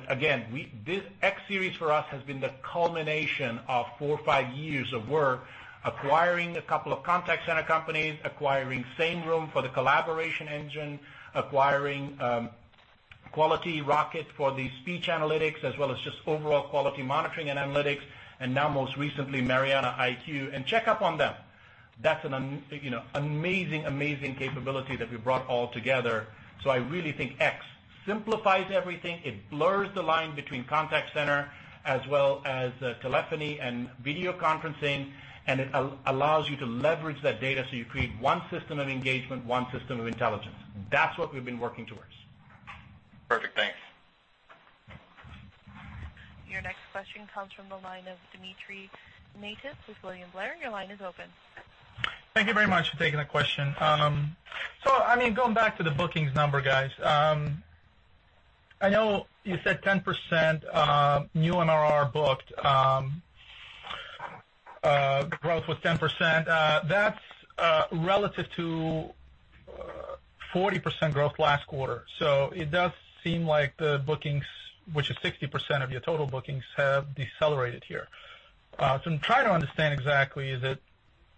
Again, this X Series for us has been the culmination of four or five years of work acquiring a couple of contact center companies, acquiring SameRoom for the collaboration engine, acquiring Quality Rocket for the speech analytics as well as just overall quality monitoring and analytics, and now most recently, MarianaIQ, and check up on them. That's an amazing capability that we've brought all together. I really think X simplifies everything. It blurs the line between contact center as well as telephony and video conferencing, and it allows you to leverage that data so you create one system of engagement, one system of intelligence. That's what we've been working towards. Perfect. Thanks. Your next question comes from the line of Dmitry Netis with William Blair. Your line is open. Thank you very much for taking the question. Going back to the bookings number, guys. I know you said 10% new MRR booked. Growth was 10%. That's relative to 40% growth last quarter. It does seem like the bookings, which is 60% of your total bookings, have decelerated here. I'm trying to understand exactly, is it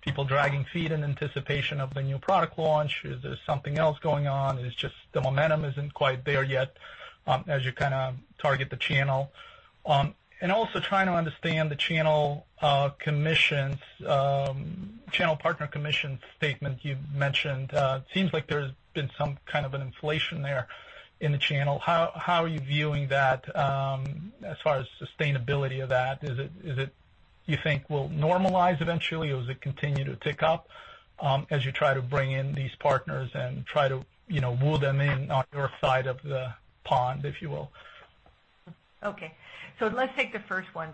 people dragging feet in anticipation of the new product launch? Is there something else going on? Is it just the momentum isn't quite there yet, as you target the channel? Also trying to understand the channel partner commission statement you mentioned. It seems like there's been some kind of an inflation there in the channel. How are you viewing that, as far as sustainability of that? Is it you think will normalize eventually, or does it continue to tick up, as you try to bring in these partners and try to woo them in on your side of the pond, if you will? Let's take the first one.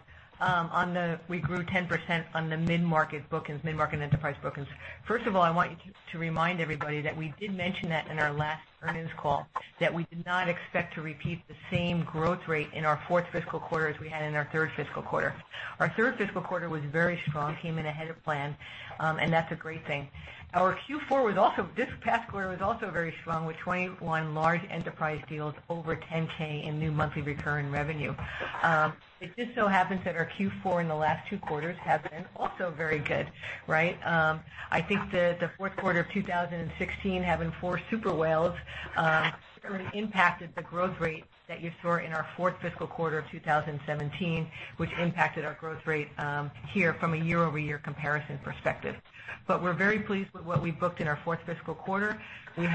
We grew 10% on the mid-market bookings, mid-market enterprise bookings. First of all, I want you to remind everybody that we did mention that in our last earnings call that we did not expect to repeat the same growth rate in our fourth fiscal quarter as we had in our third fiscal quarter. Our third fiscal quarter was very strong, came in ahead of plan, and that's a great thing. Our Q4, this past quarter, was also very strong with 21 large enterprise deals over $10K in new monthly recurring revenue. It just so happens that our Q4 in the last two quarters have been also very good, right? I think the fourth quarter of 2016 having four super whales certainly impacted the growth rates that you saw in our fourth fiscal quarter of 2017, which impacted our growth rate here from a year-over-year comparison perspective. We're very pleased with what we've booked in our fourth fiscal quarter. We've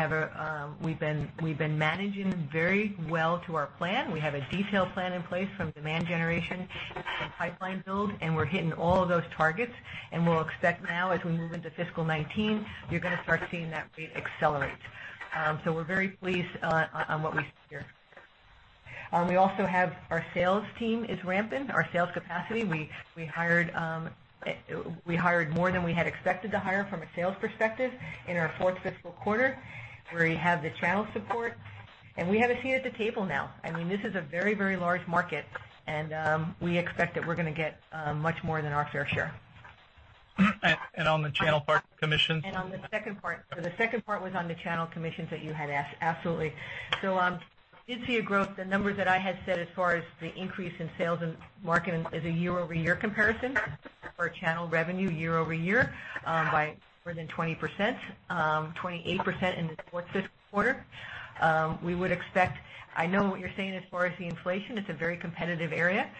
been managing very well to our plan. We have a detailed plan in place from demand generation and pipeline build, and we're hitting all of those targets, and we'll expect now as we move into fiscal 2019, you're going to start seeing that rate accelerate. We're very pleased on what we see here. We also have our sales team is ramping, our sales capacity. We hired more than we had expected to hire from a sales perspective in our fourth fiscal quarter, where we have the channel support, and we have a seat at the table now. This is a very large market, and we expect that we're going to get much more than our fair share. On the channel partner commissions? On the second part. The second part was on the channel commissions that you had asked. Absolutely. We did see a growth. The numbers that I had said as far as the increase in sales and marketing is a year-over-year comparison for channel revenue year-over-year by more than 20%, 28% in the fourth quarter. I know what you're saying, as far as the inflation, it's a very competitive area.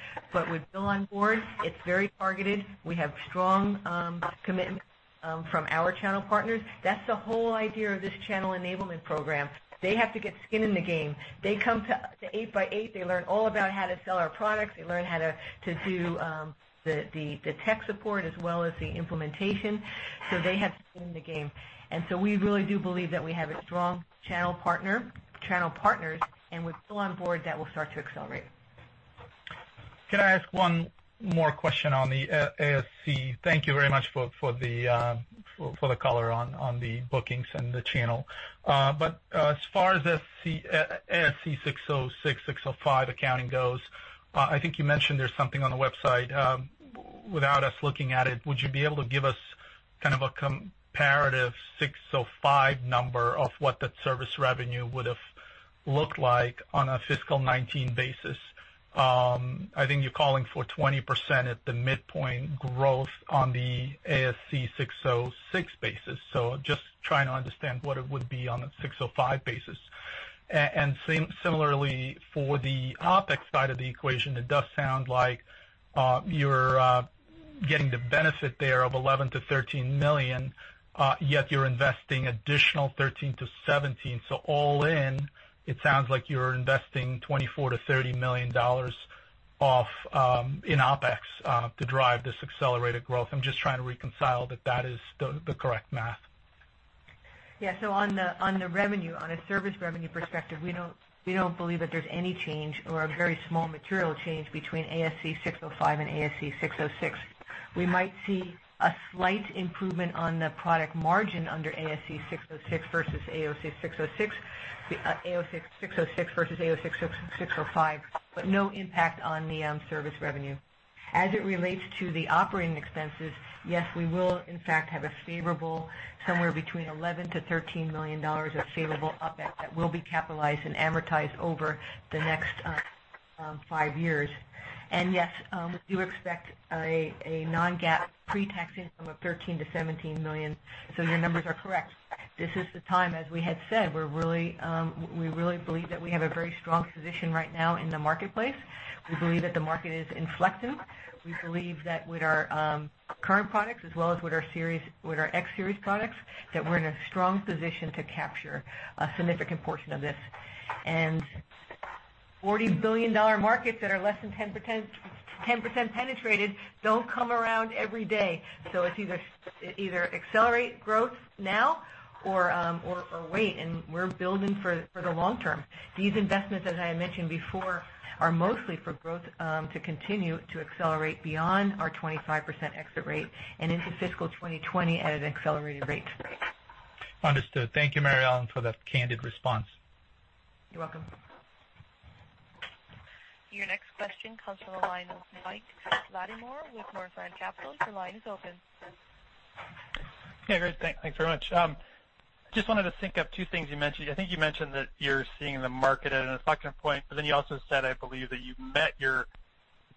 With Bill on board, it's very targeted. We have strong commitment from our channel partners. That's the whole idea of this channel enablement program. They have to get skin in the game. They come to 8x8, they learn all about how to sell our products. They learn how to do the tech support as well as the implementation. They have skin in the game. We really do believe that we have strong channel partners, and with Bill on board, that will start to accelerate. Can I ask one more question on the ASC? Thank you very much for the color on the bookings and the channel. As far as ASC 606, ASC 605 accounting goes, I think you mentioned there's something on the website. Without us looking at it, would you be able to give us kind of a comparative ASC 605 number of what that service revenue would have looked like on a fiscal 2019 basis? I think you're calling for 20% at the midpoint growth on the ASC 606 basis. Just trying to understand what it would be on an ASC 605 basis. Similarly, for the OpEx side of the equation, it does sound like you're getting the benefit there of $11 million to $13 million, yet you're investing additional $13 million to $17 million. All in, it sounds like you're investing $24 million to $30 million in OpEx to drive this accelerated growth. I'm just trying to reconcile that that is the correct math. On the revenue, on a service revenue perspective, we don't believe that there's any change or a very small material change between ASC 605 and ASC 606. We might see a slight improvement on the product margin under ASC 606 versus ASC 605, but no impact on the service revenue. As it relates to the operating expenses, yes, we will in fact have a favorable somewhere between $11 million to $13 million of favorable OpEx that will be capitalized and amortized over the next five years. Yes, we do expect a non-GAAP pre-tax income of $13 million to $17 million. Your numbers are correct. This is the time, as we had said, we really believe that we have a very strong position right now in the marketplace. We believe that the market is inflective. We believe that with our current products as well as with our X Series products, that we're in a strong position to capture a significant portion of this. $40 billion markets that are less than 10% penetrated don't come around every day. It's either accelerate growth now or wait, and we're building for the long term. These investments, as I mentioned before, are mostly for growth to continue to accelerate beyond our 25% exit rate and into fiscal 2020 at an accelerated rate. Understood. Thank you, Mary Ellen, for the candid response. You're welcome. Your next question comes from the line of Mike Latimore with Northland Capital. Your line is open. Great. Thanks very much. Just wanted to sync up two things you mentioned. I think you mentioned that you're seeing the market at an inflection point. You also said, I believe, that you've met your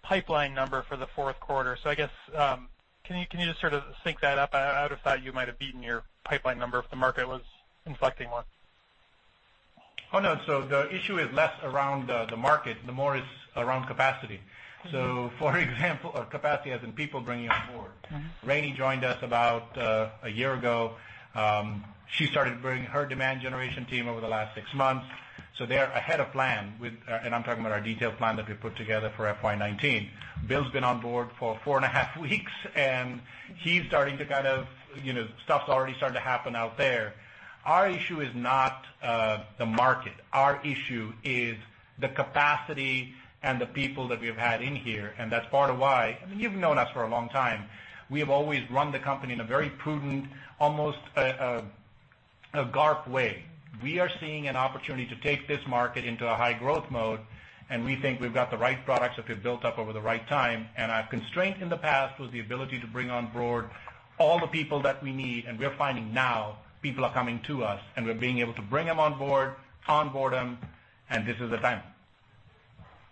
pipeline number for the fourth quarter. I guess, can you just sort of sync that up? I would've thought you might have beaten your pipeline number if the market was inflecting one. No. The issue is less around the market, the more it's around capacity. For example, our capacity as in people bringing on board. Rani joined us about a year ago. She started bringing her demand generation team over the last six months. They're ahead of plan with, and I'm talking about our detailed plan that we put together for FY 2019. Bill's been on board for four and a half weeks, and he's starting to kind of, stuff's already starting to happen out there. Our issue is not the market. Our issue is the capacity and the people that we've had in here, and that's part of why. I mean, you've known us for a long time. We have always run the company in a very prudent, almost a GARP way. We are seeing an opportunity to take this market into a high growth mode, and we think we've got the right products that we've built up over the right time. Our constraint in the past was the ability to bring on board all the people that we need. We're finding now people are coming to us, and we're being able to bring them on board, onboard them, and this is the time.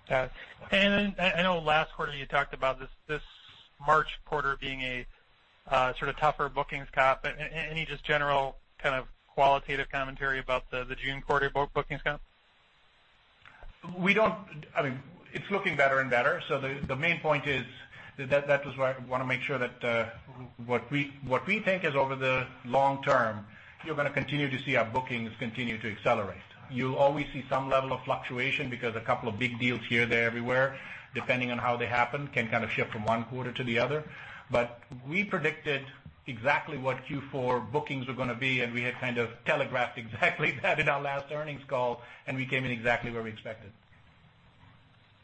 Got it. I know last quarter you talked about this March quarter being a sort of tougher bookings comp. Any just general kind of qualitative commentary about the June quarter bookings comp? I mean, it's looking better and better. The main point is that was why I want to make sure that what we think is over the long term, you're going to continue to see our bookings continue to accelerate. You'll always see some level of fluctuation because a couple of big deals here, there, everywhere, depending on how they happen, can kind of shift from one quarter to the other. We predicted exactly what Q4 bookings were going to be, and we had kind of telegraphed exactly that in our last earnings call, and we came in exactly where we expected.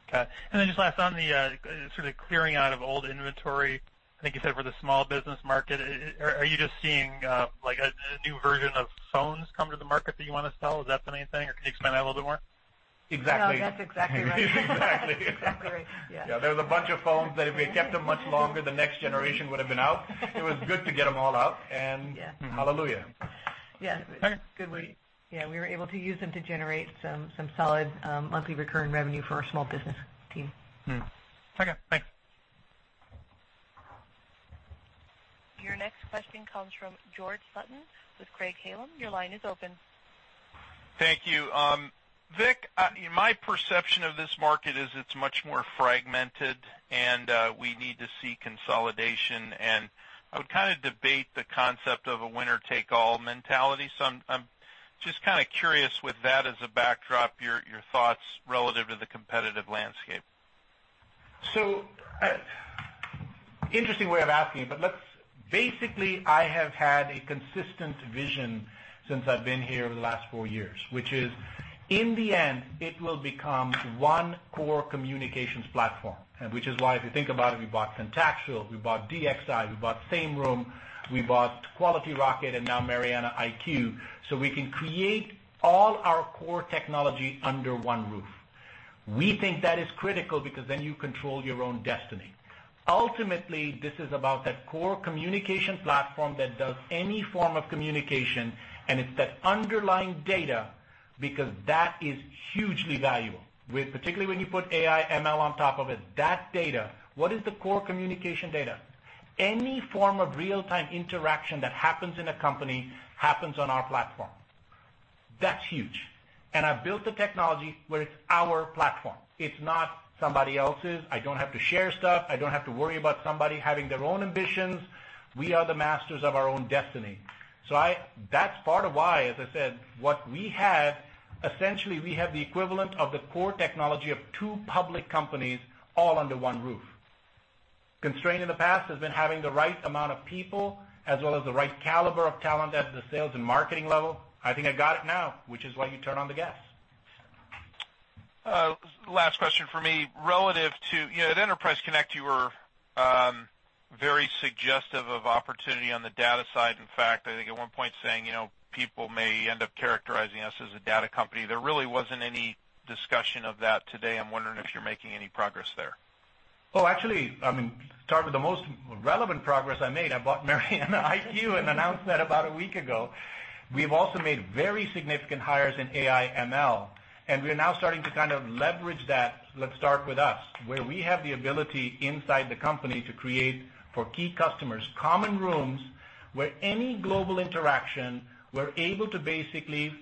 Okay. Just last on the sort of clearing out of old inventory, I think you said for the small business market. Are you just seeing like a new version of phones come to the market that you want to sell? Is that the main thing, or can you explain that a little bit more? Exactly. No, that's exactly right. Exactly. Exactly right. Yeah. There's a bunch of phones that if we had kept them much longer, the next generation would've been out. It was good to get them all out. Yeah. Hallelujah. Yeah. Okay. Good way. We were able to use them to generate some solid monthly recurring revenue for our small business team. Okay, thanks. Your next question comes from George Sutton with Craig-Hallum. Your line is open. Thank you. Vik, my perception of this market is it's much more fragmented, and we need to see consolidation. I would debate the concept of a winner-take-all mentality. I'm just curious with that as a backdrop, your thoughts relative to the competitive landscape. Interesting way of asking, but look, basically, I have had a consistent vision since I've been here over the last 4 years, which is, in the end, it will become one core communications platform. Which is why, if you think about it, we bought Contactual, we bought DXI, we bought SameRoom, we bought Quality Rocket, and now MarianaIQ, so we can create all our core technology under one roof. We think that is critical because then you control your own destiny. Ultimately, this is about that core communication platform that does any form of communication, and it's that underlying data, because that is hugely valuable. Particularly when you put AI ML on top of it. That data, what is the core communication data? Any form of real-time interaction that happens in a company happens on our platform. That's huge. I've built the technology where it's our platform. It's not somebody else's. I don't have to share stuff. I don't have to worry about somebody having their own ambitions. We are the masters of our own destiny. That's part of why, as I said, what we have, essentially, we have the equivalent of the core technology of two public companies all under one roof. Constraint in the past has been having the right amount of people as well as the right caliber of talent at the sales and marketing level. I think I got it now, which is why you turn on the gas. Last question from me. At Enterprise Connect, you were very suggestive of opportunity on the data side. In fact, I think at one point saying, "People may end up characterizing us as a data company." There really wasn't any discussion of that today. I'm wondering if you're making any progress there. Well, actually, to start with the most relevant progress I made, I bought MarianaIQ and announced that about a week ago. We've also made very significant hires in AI ML, and we are now starting to leverage that. Let's start with us, where we have the ability inside the company to create, for key customers, common rooms where any global interaction, we're able to basically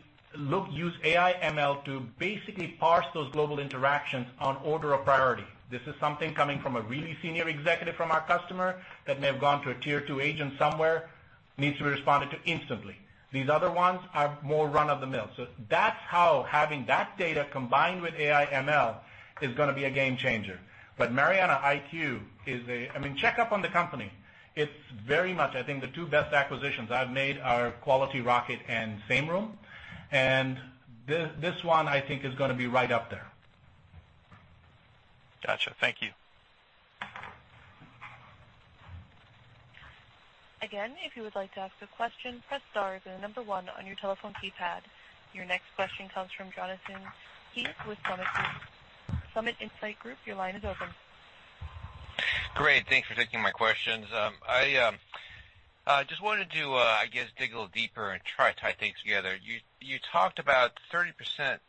use AI ML to basically parse those global interactions on order of priority. This is something coming from a really senior executive from our customer that may have gone to a tier 2 agent somewhere, needs to be responded to instantly. These other ones are more run-of-the-mill. That's how having that data combined with AI ML is going to be a game changer. MarianaIQ is a Check up on the company. It's very much, I think, the two best acquisitions I've made are Quality Rocket and SameRoom. This one, I think, is going to be right up there. Got you. Thank you. If you would like to ask a question, press star, then the number one on your telephone keypad. Your next question comes from Jonathan Kees with Summit Insights Group. Your line is open. Great. Thanks for taking my questions. I just wanted to, I guess, dig a little deeper and try to tie things together. You talked about 30%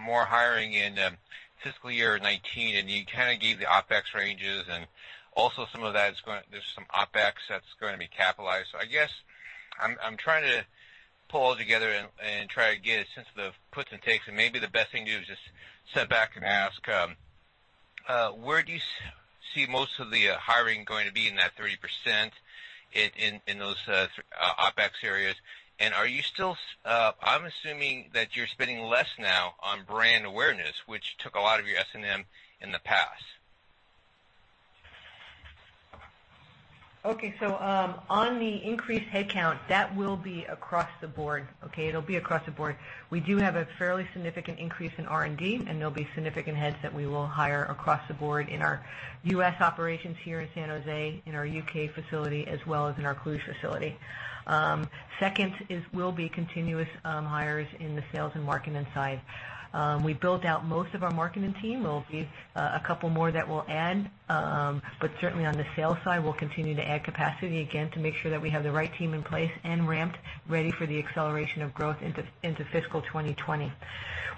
more hiring in fiscal year 2019, you kind of gave the OpEx ranges and also some of that, there's some OpEx that's going to be capitalized. I guess I'm trying to pull all together and try to get a sense of the puts and takes, maybe the best thing to do is just sit back and ask, where do you see most of the hiring going to be in that 30% in those OpEx areas? Are you still, I'm assuming that you're spending less now on brand awareness, which took a lot of your S&M in the past. Okay. On the increased headcount, that will be across the board. Okay? It'll be across the board. We do have a fairly significant increase in R&D, there'll be significant heads that we will hire across the board in our U.S. operations here in San Jose, in our U.K. facility, as well as in our Cluj facility. Second is will be continuous hires in the sales and marketing side. We built out most of our marketing team. There will be a couple more that we'll add. Certainly, on the sales side, we'll continue to add capacity again to make sure that we have the right team in place and ramped, ready for the acceleration of growth into fiscal 2020.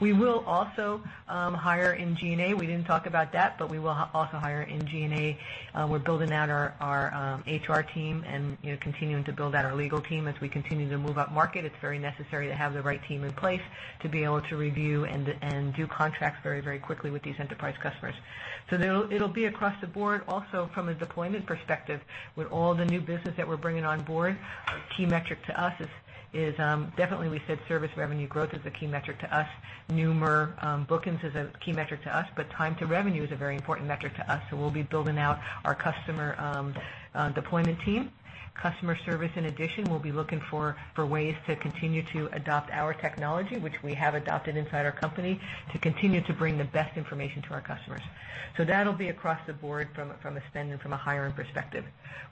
We will also hire in G&A. We didn't talk about that, we will also hire in G&A. We're building out our HR team and continuing to build out our legal team. As we continue to move upmarket, it's very necessary to have the right team in place to be able to review and do contracts very, very quickly with these enterprise customers. It'll be across the board. Also, from a deployment perspective, with all the new business that we're bringing on board, a key metric to us is definitely we said service revenue growth is a key metric to us. New MRR bookings is a key metric to us, time to revenue is a very important metric to us. We'll be building out our customer deployment team. Customer service, in addition, we'll be looking for ways to continue to adopt our technology, which we have adopted inside our company, to continue to bring the best information to our customers. That'll be across the board from a spend and from a hiring perspective.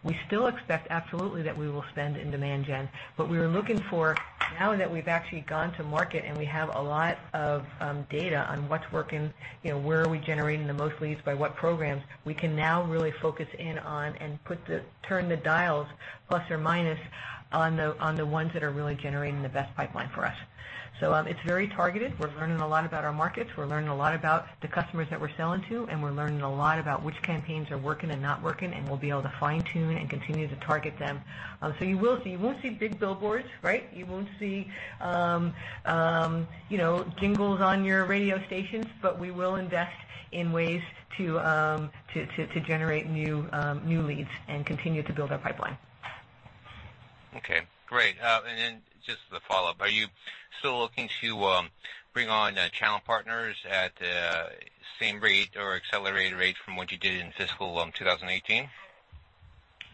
We still expect absolutely that we will spend in demand gen, we are looking for Now that we've actually gone to market and we have a lot of data on what's working, where are we generating the most leads by what programs, we can now really focus in on and turn the dials plus or minus on the ones that are really generating the best pipeline for us. It's very targeted. We're learning a lot about our markets. We're learning a lot about the customers that we're selling to, and we're learning a lot about which campaigns are working and not working, and we'll be able to fine-tune and continue to target them. You won't see big billboards, right? You won't see jingles on your radio stations. We will invest in ways to generate new leads and continue to build our pipeline. Okay, great. Just as a follow-up, are you still looking to bring on channel partners at the same rate or accelerated rate from what you did in fiscal 2018?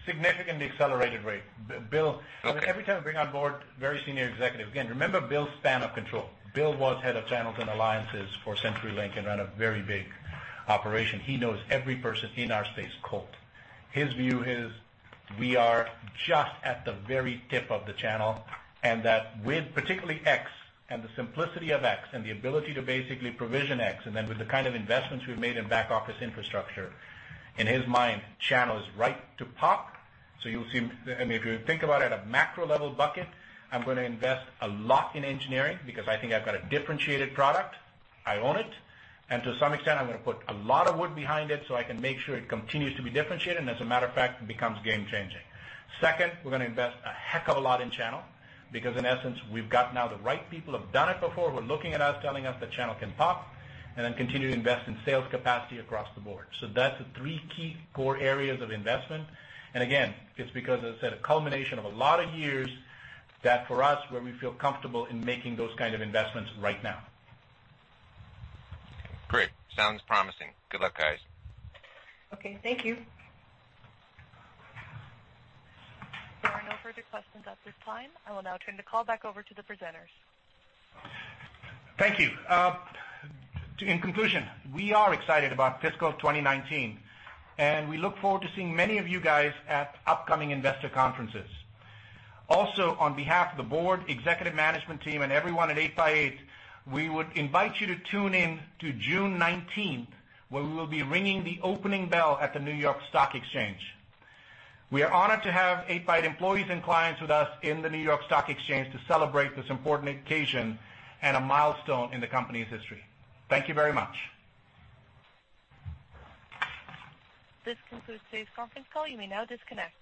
Significantly accelerated rate. Okay. Every time we bring on board very senior executive. Again, remember Bill's span of control. Bill was head of channels and alliances for CenturyLink and ran a very big operation. He knows every person in our space cold. His view is we are just at the very tip of the channel, and that with particularly X and the simplicity of X and the ability to basically provision X, and then with the kind of investments we've made in back-office infrastructure, in his mind, channel is ripe to pop. If you think about it at a macro-level bucket, I'm going to invest a lot in engineering because I think I've got a differentiated product. I own it, and to some extent, I'm going to put a lot of wood behind it so I can make sure it continues to be differentiated, and as a matter of fact, becomes game-changing. Second, we're going to invest a heck of a lot in channel because, in essence, we've got now the right people who've done it before, who are looking at us telling us that channel can pop, and then continue to invest in sales capacity across the board. That's the three key core areas of investment. Again, it's because, as I said, a culmination of a lot of years that for us, where we feel comfortable in making those kind of investments right now. Okay, great. Sounds promising. Good luck, guys. Okay, thank you. There are no further questions at this time. I will now turn the call back over to the presenters. Thank you. In conclusion, we are excited about fiscal 2019. We look forward to seeing many of you guys at upcoming investor conferences. On behalf of the board, executive management team, and everyone at 8x8, we would invite you to tune in to June 19th, where we will be ringing the opening bell at the New York Stock Exchange. We are honored to have 8x8 employees and clients with us in the New York Stock Exchange to celebrate this important occasion and a milestone in the company's history. Thank you very much. This concludes today's conference call. You may now disconnect.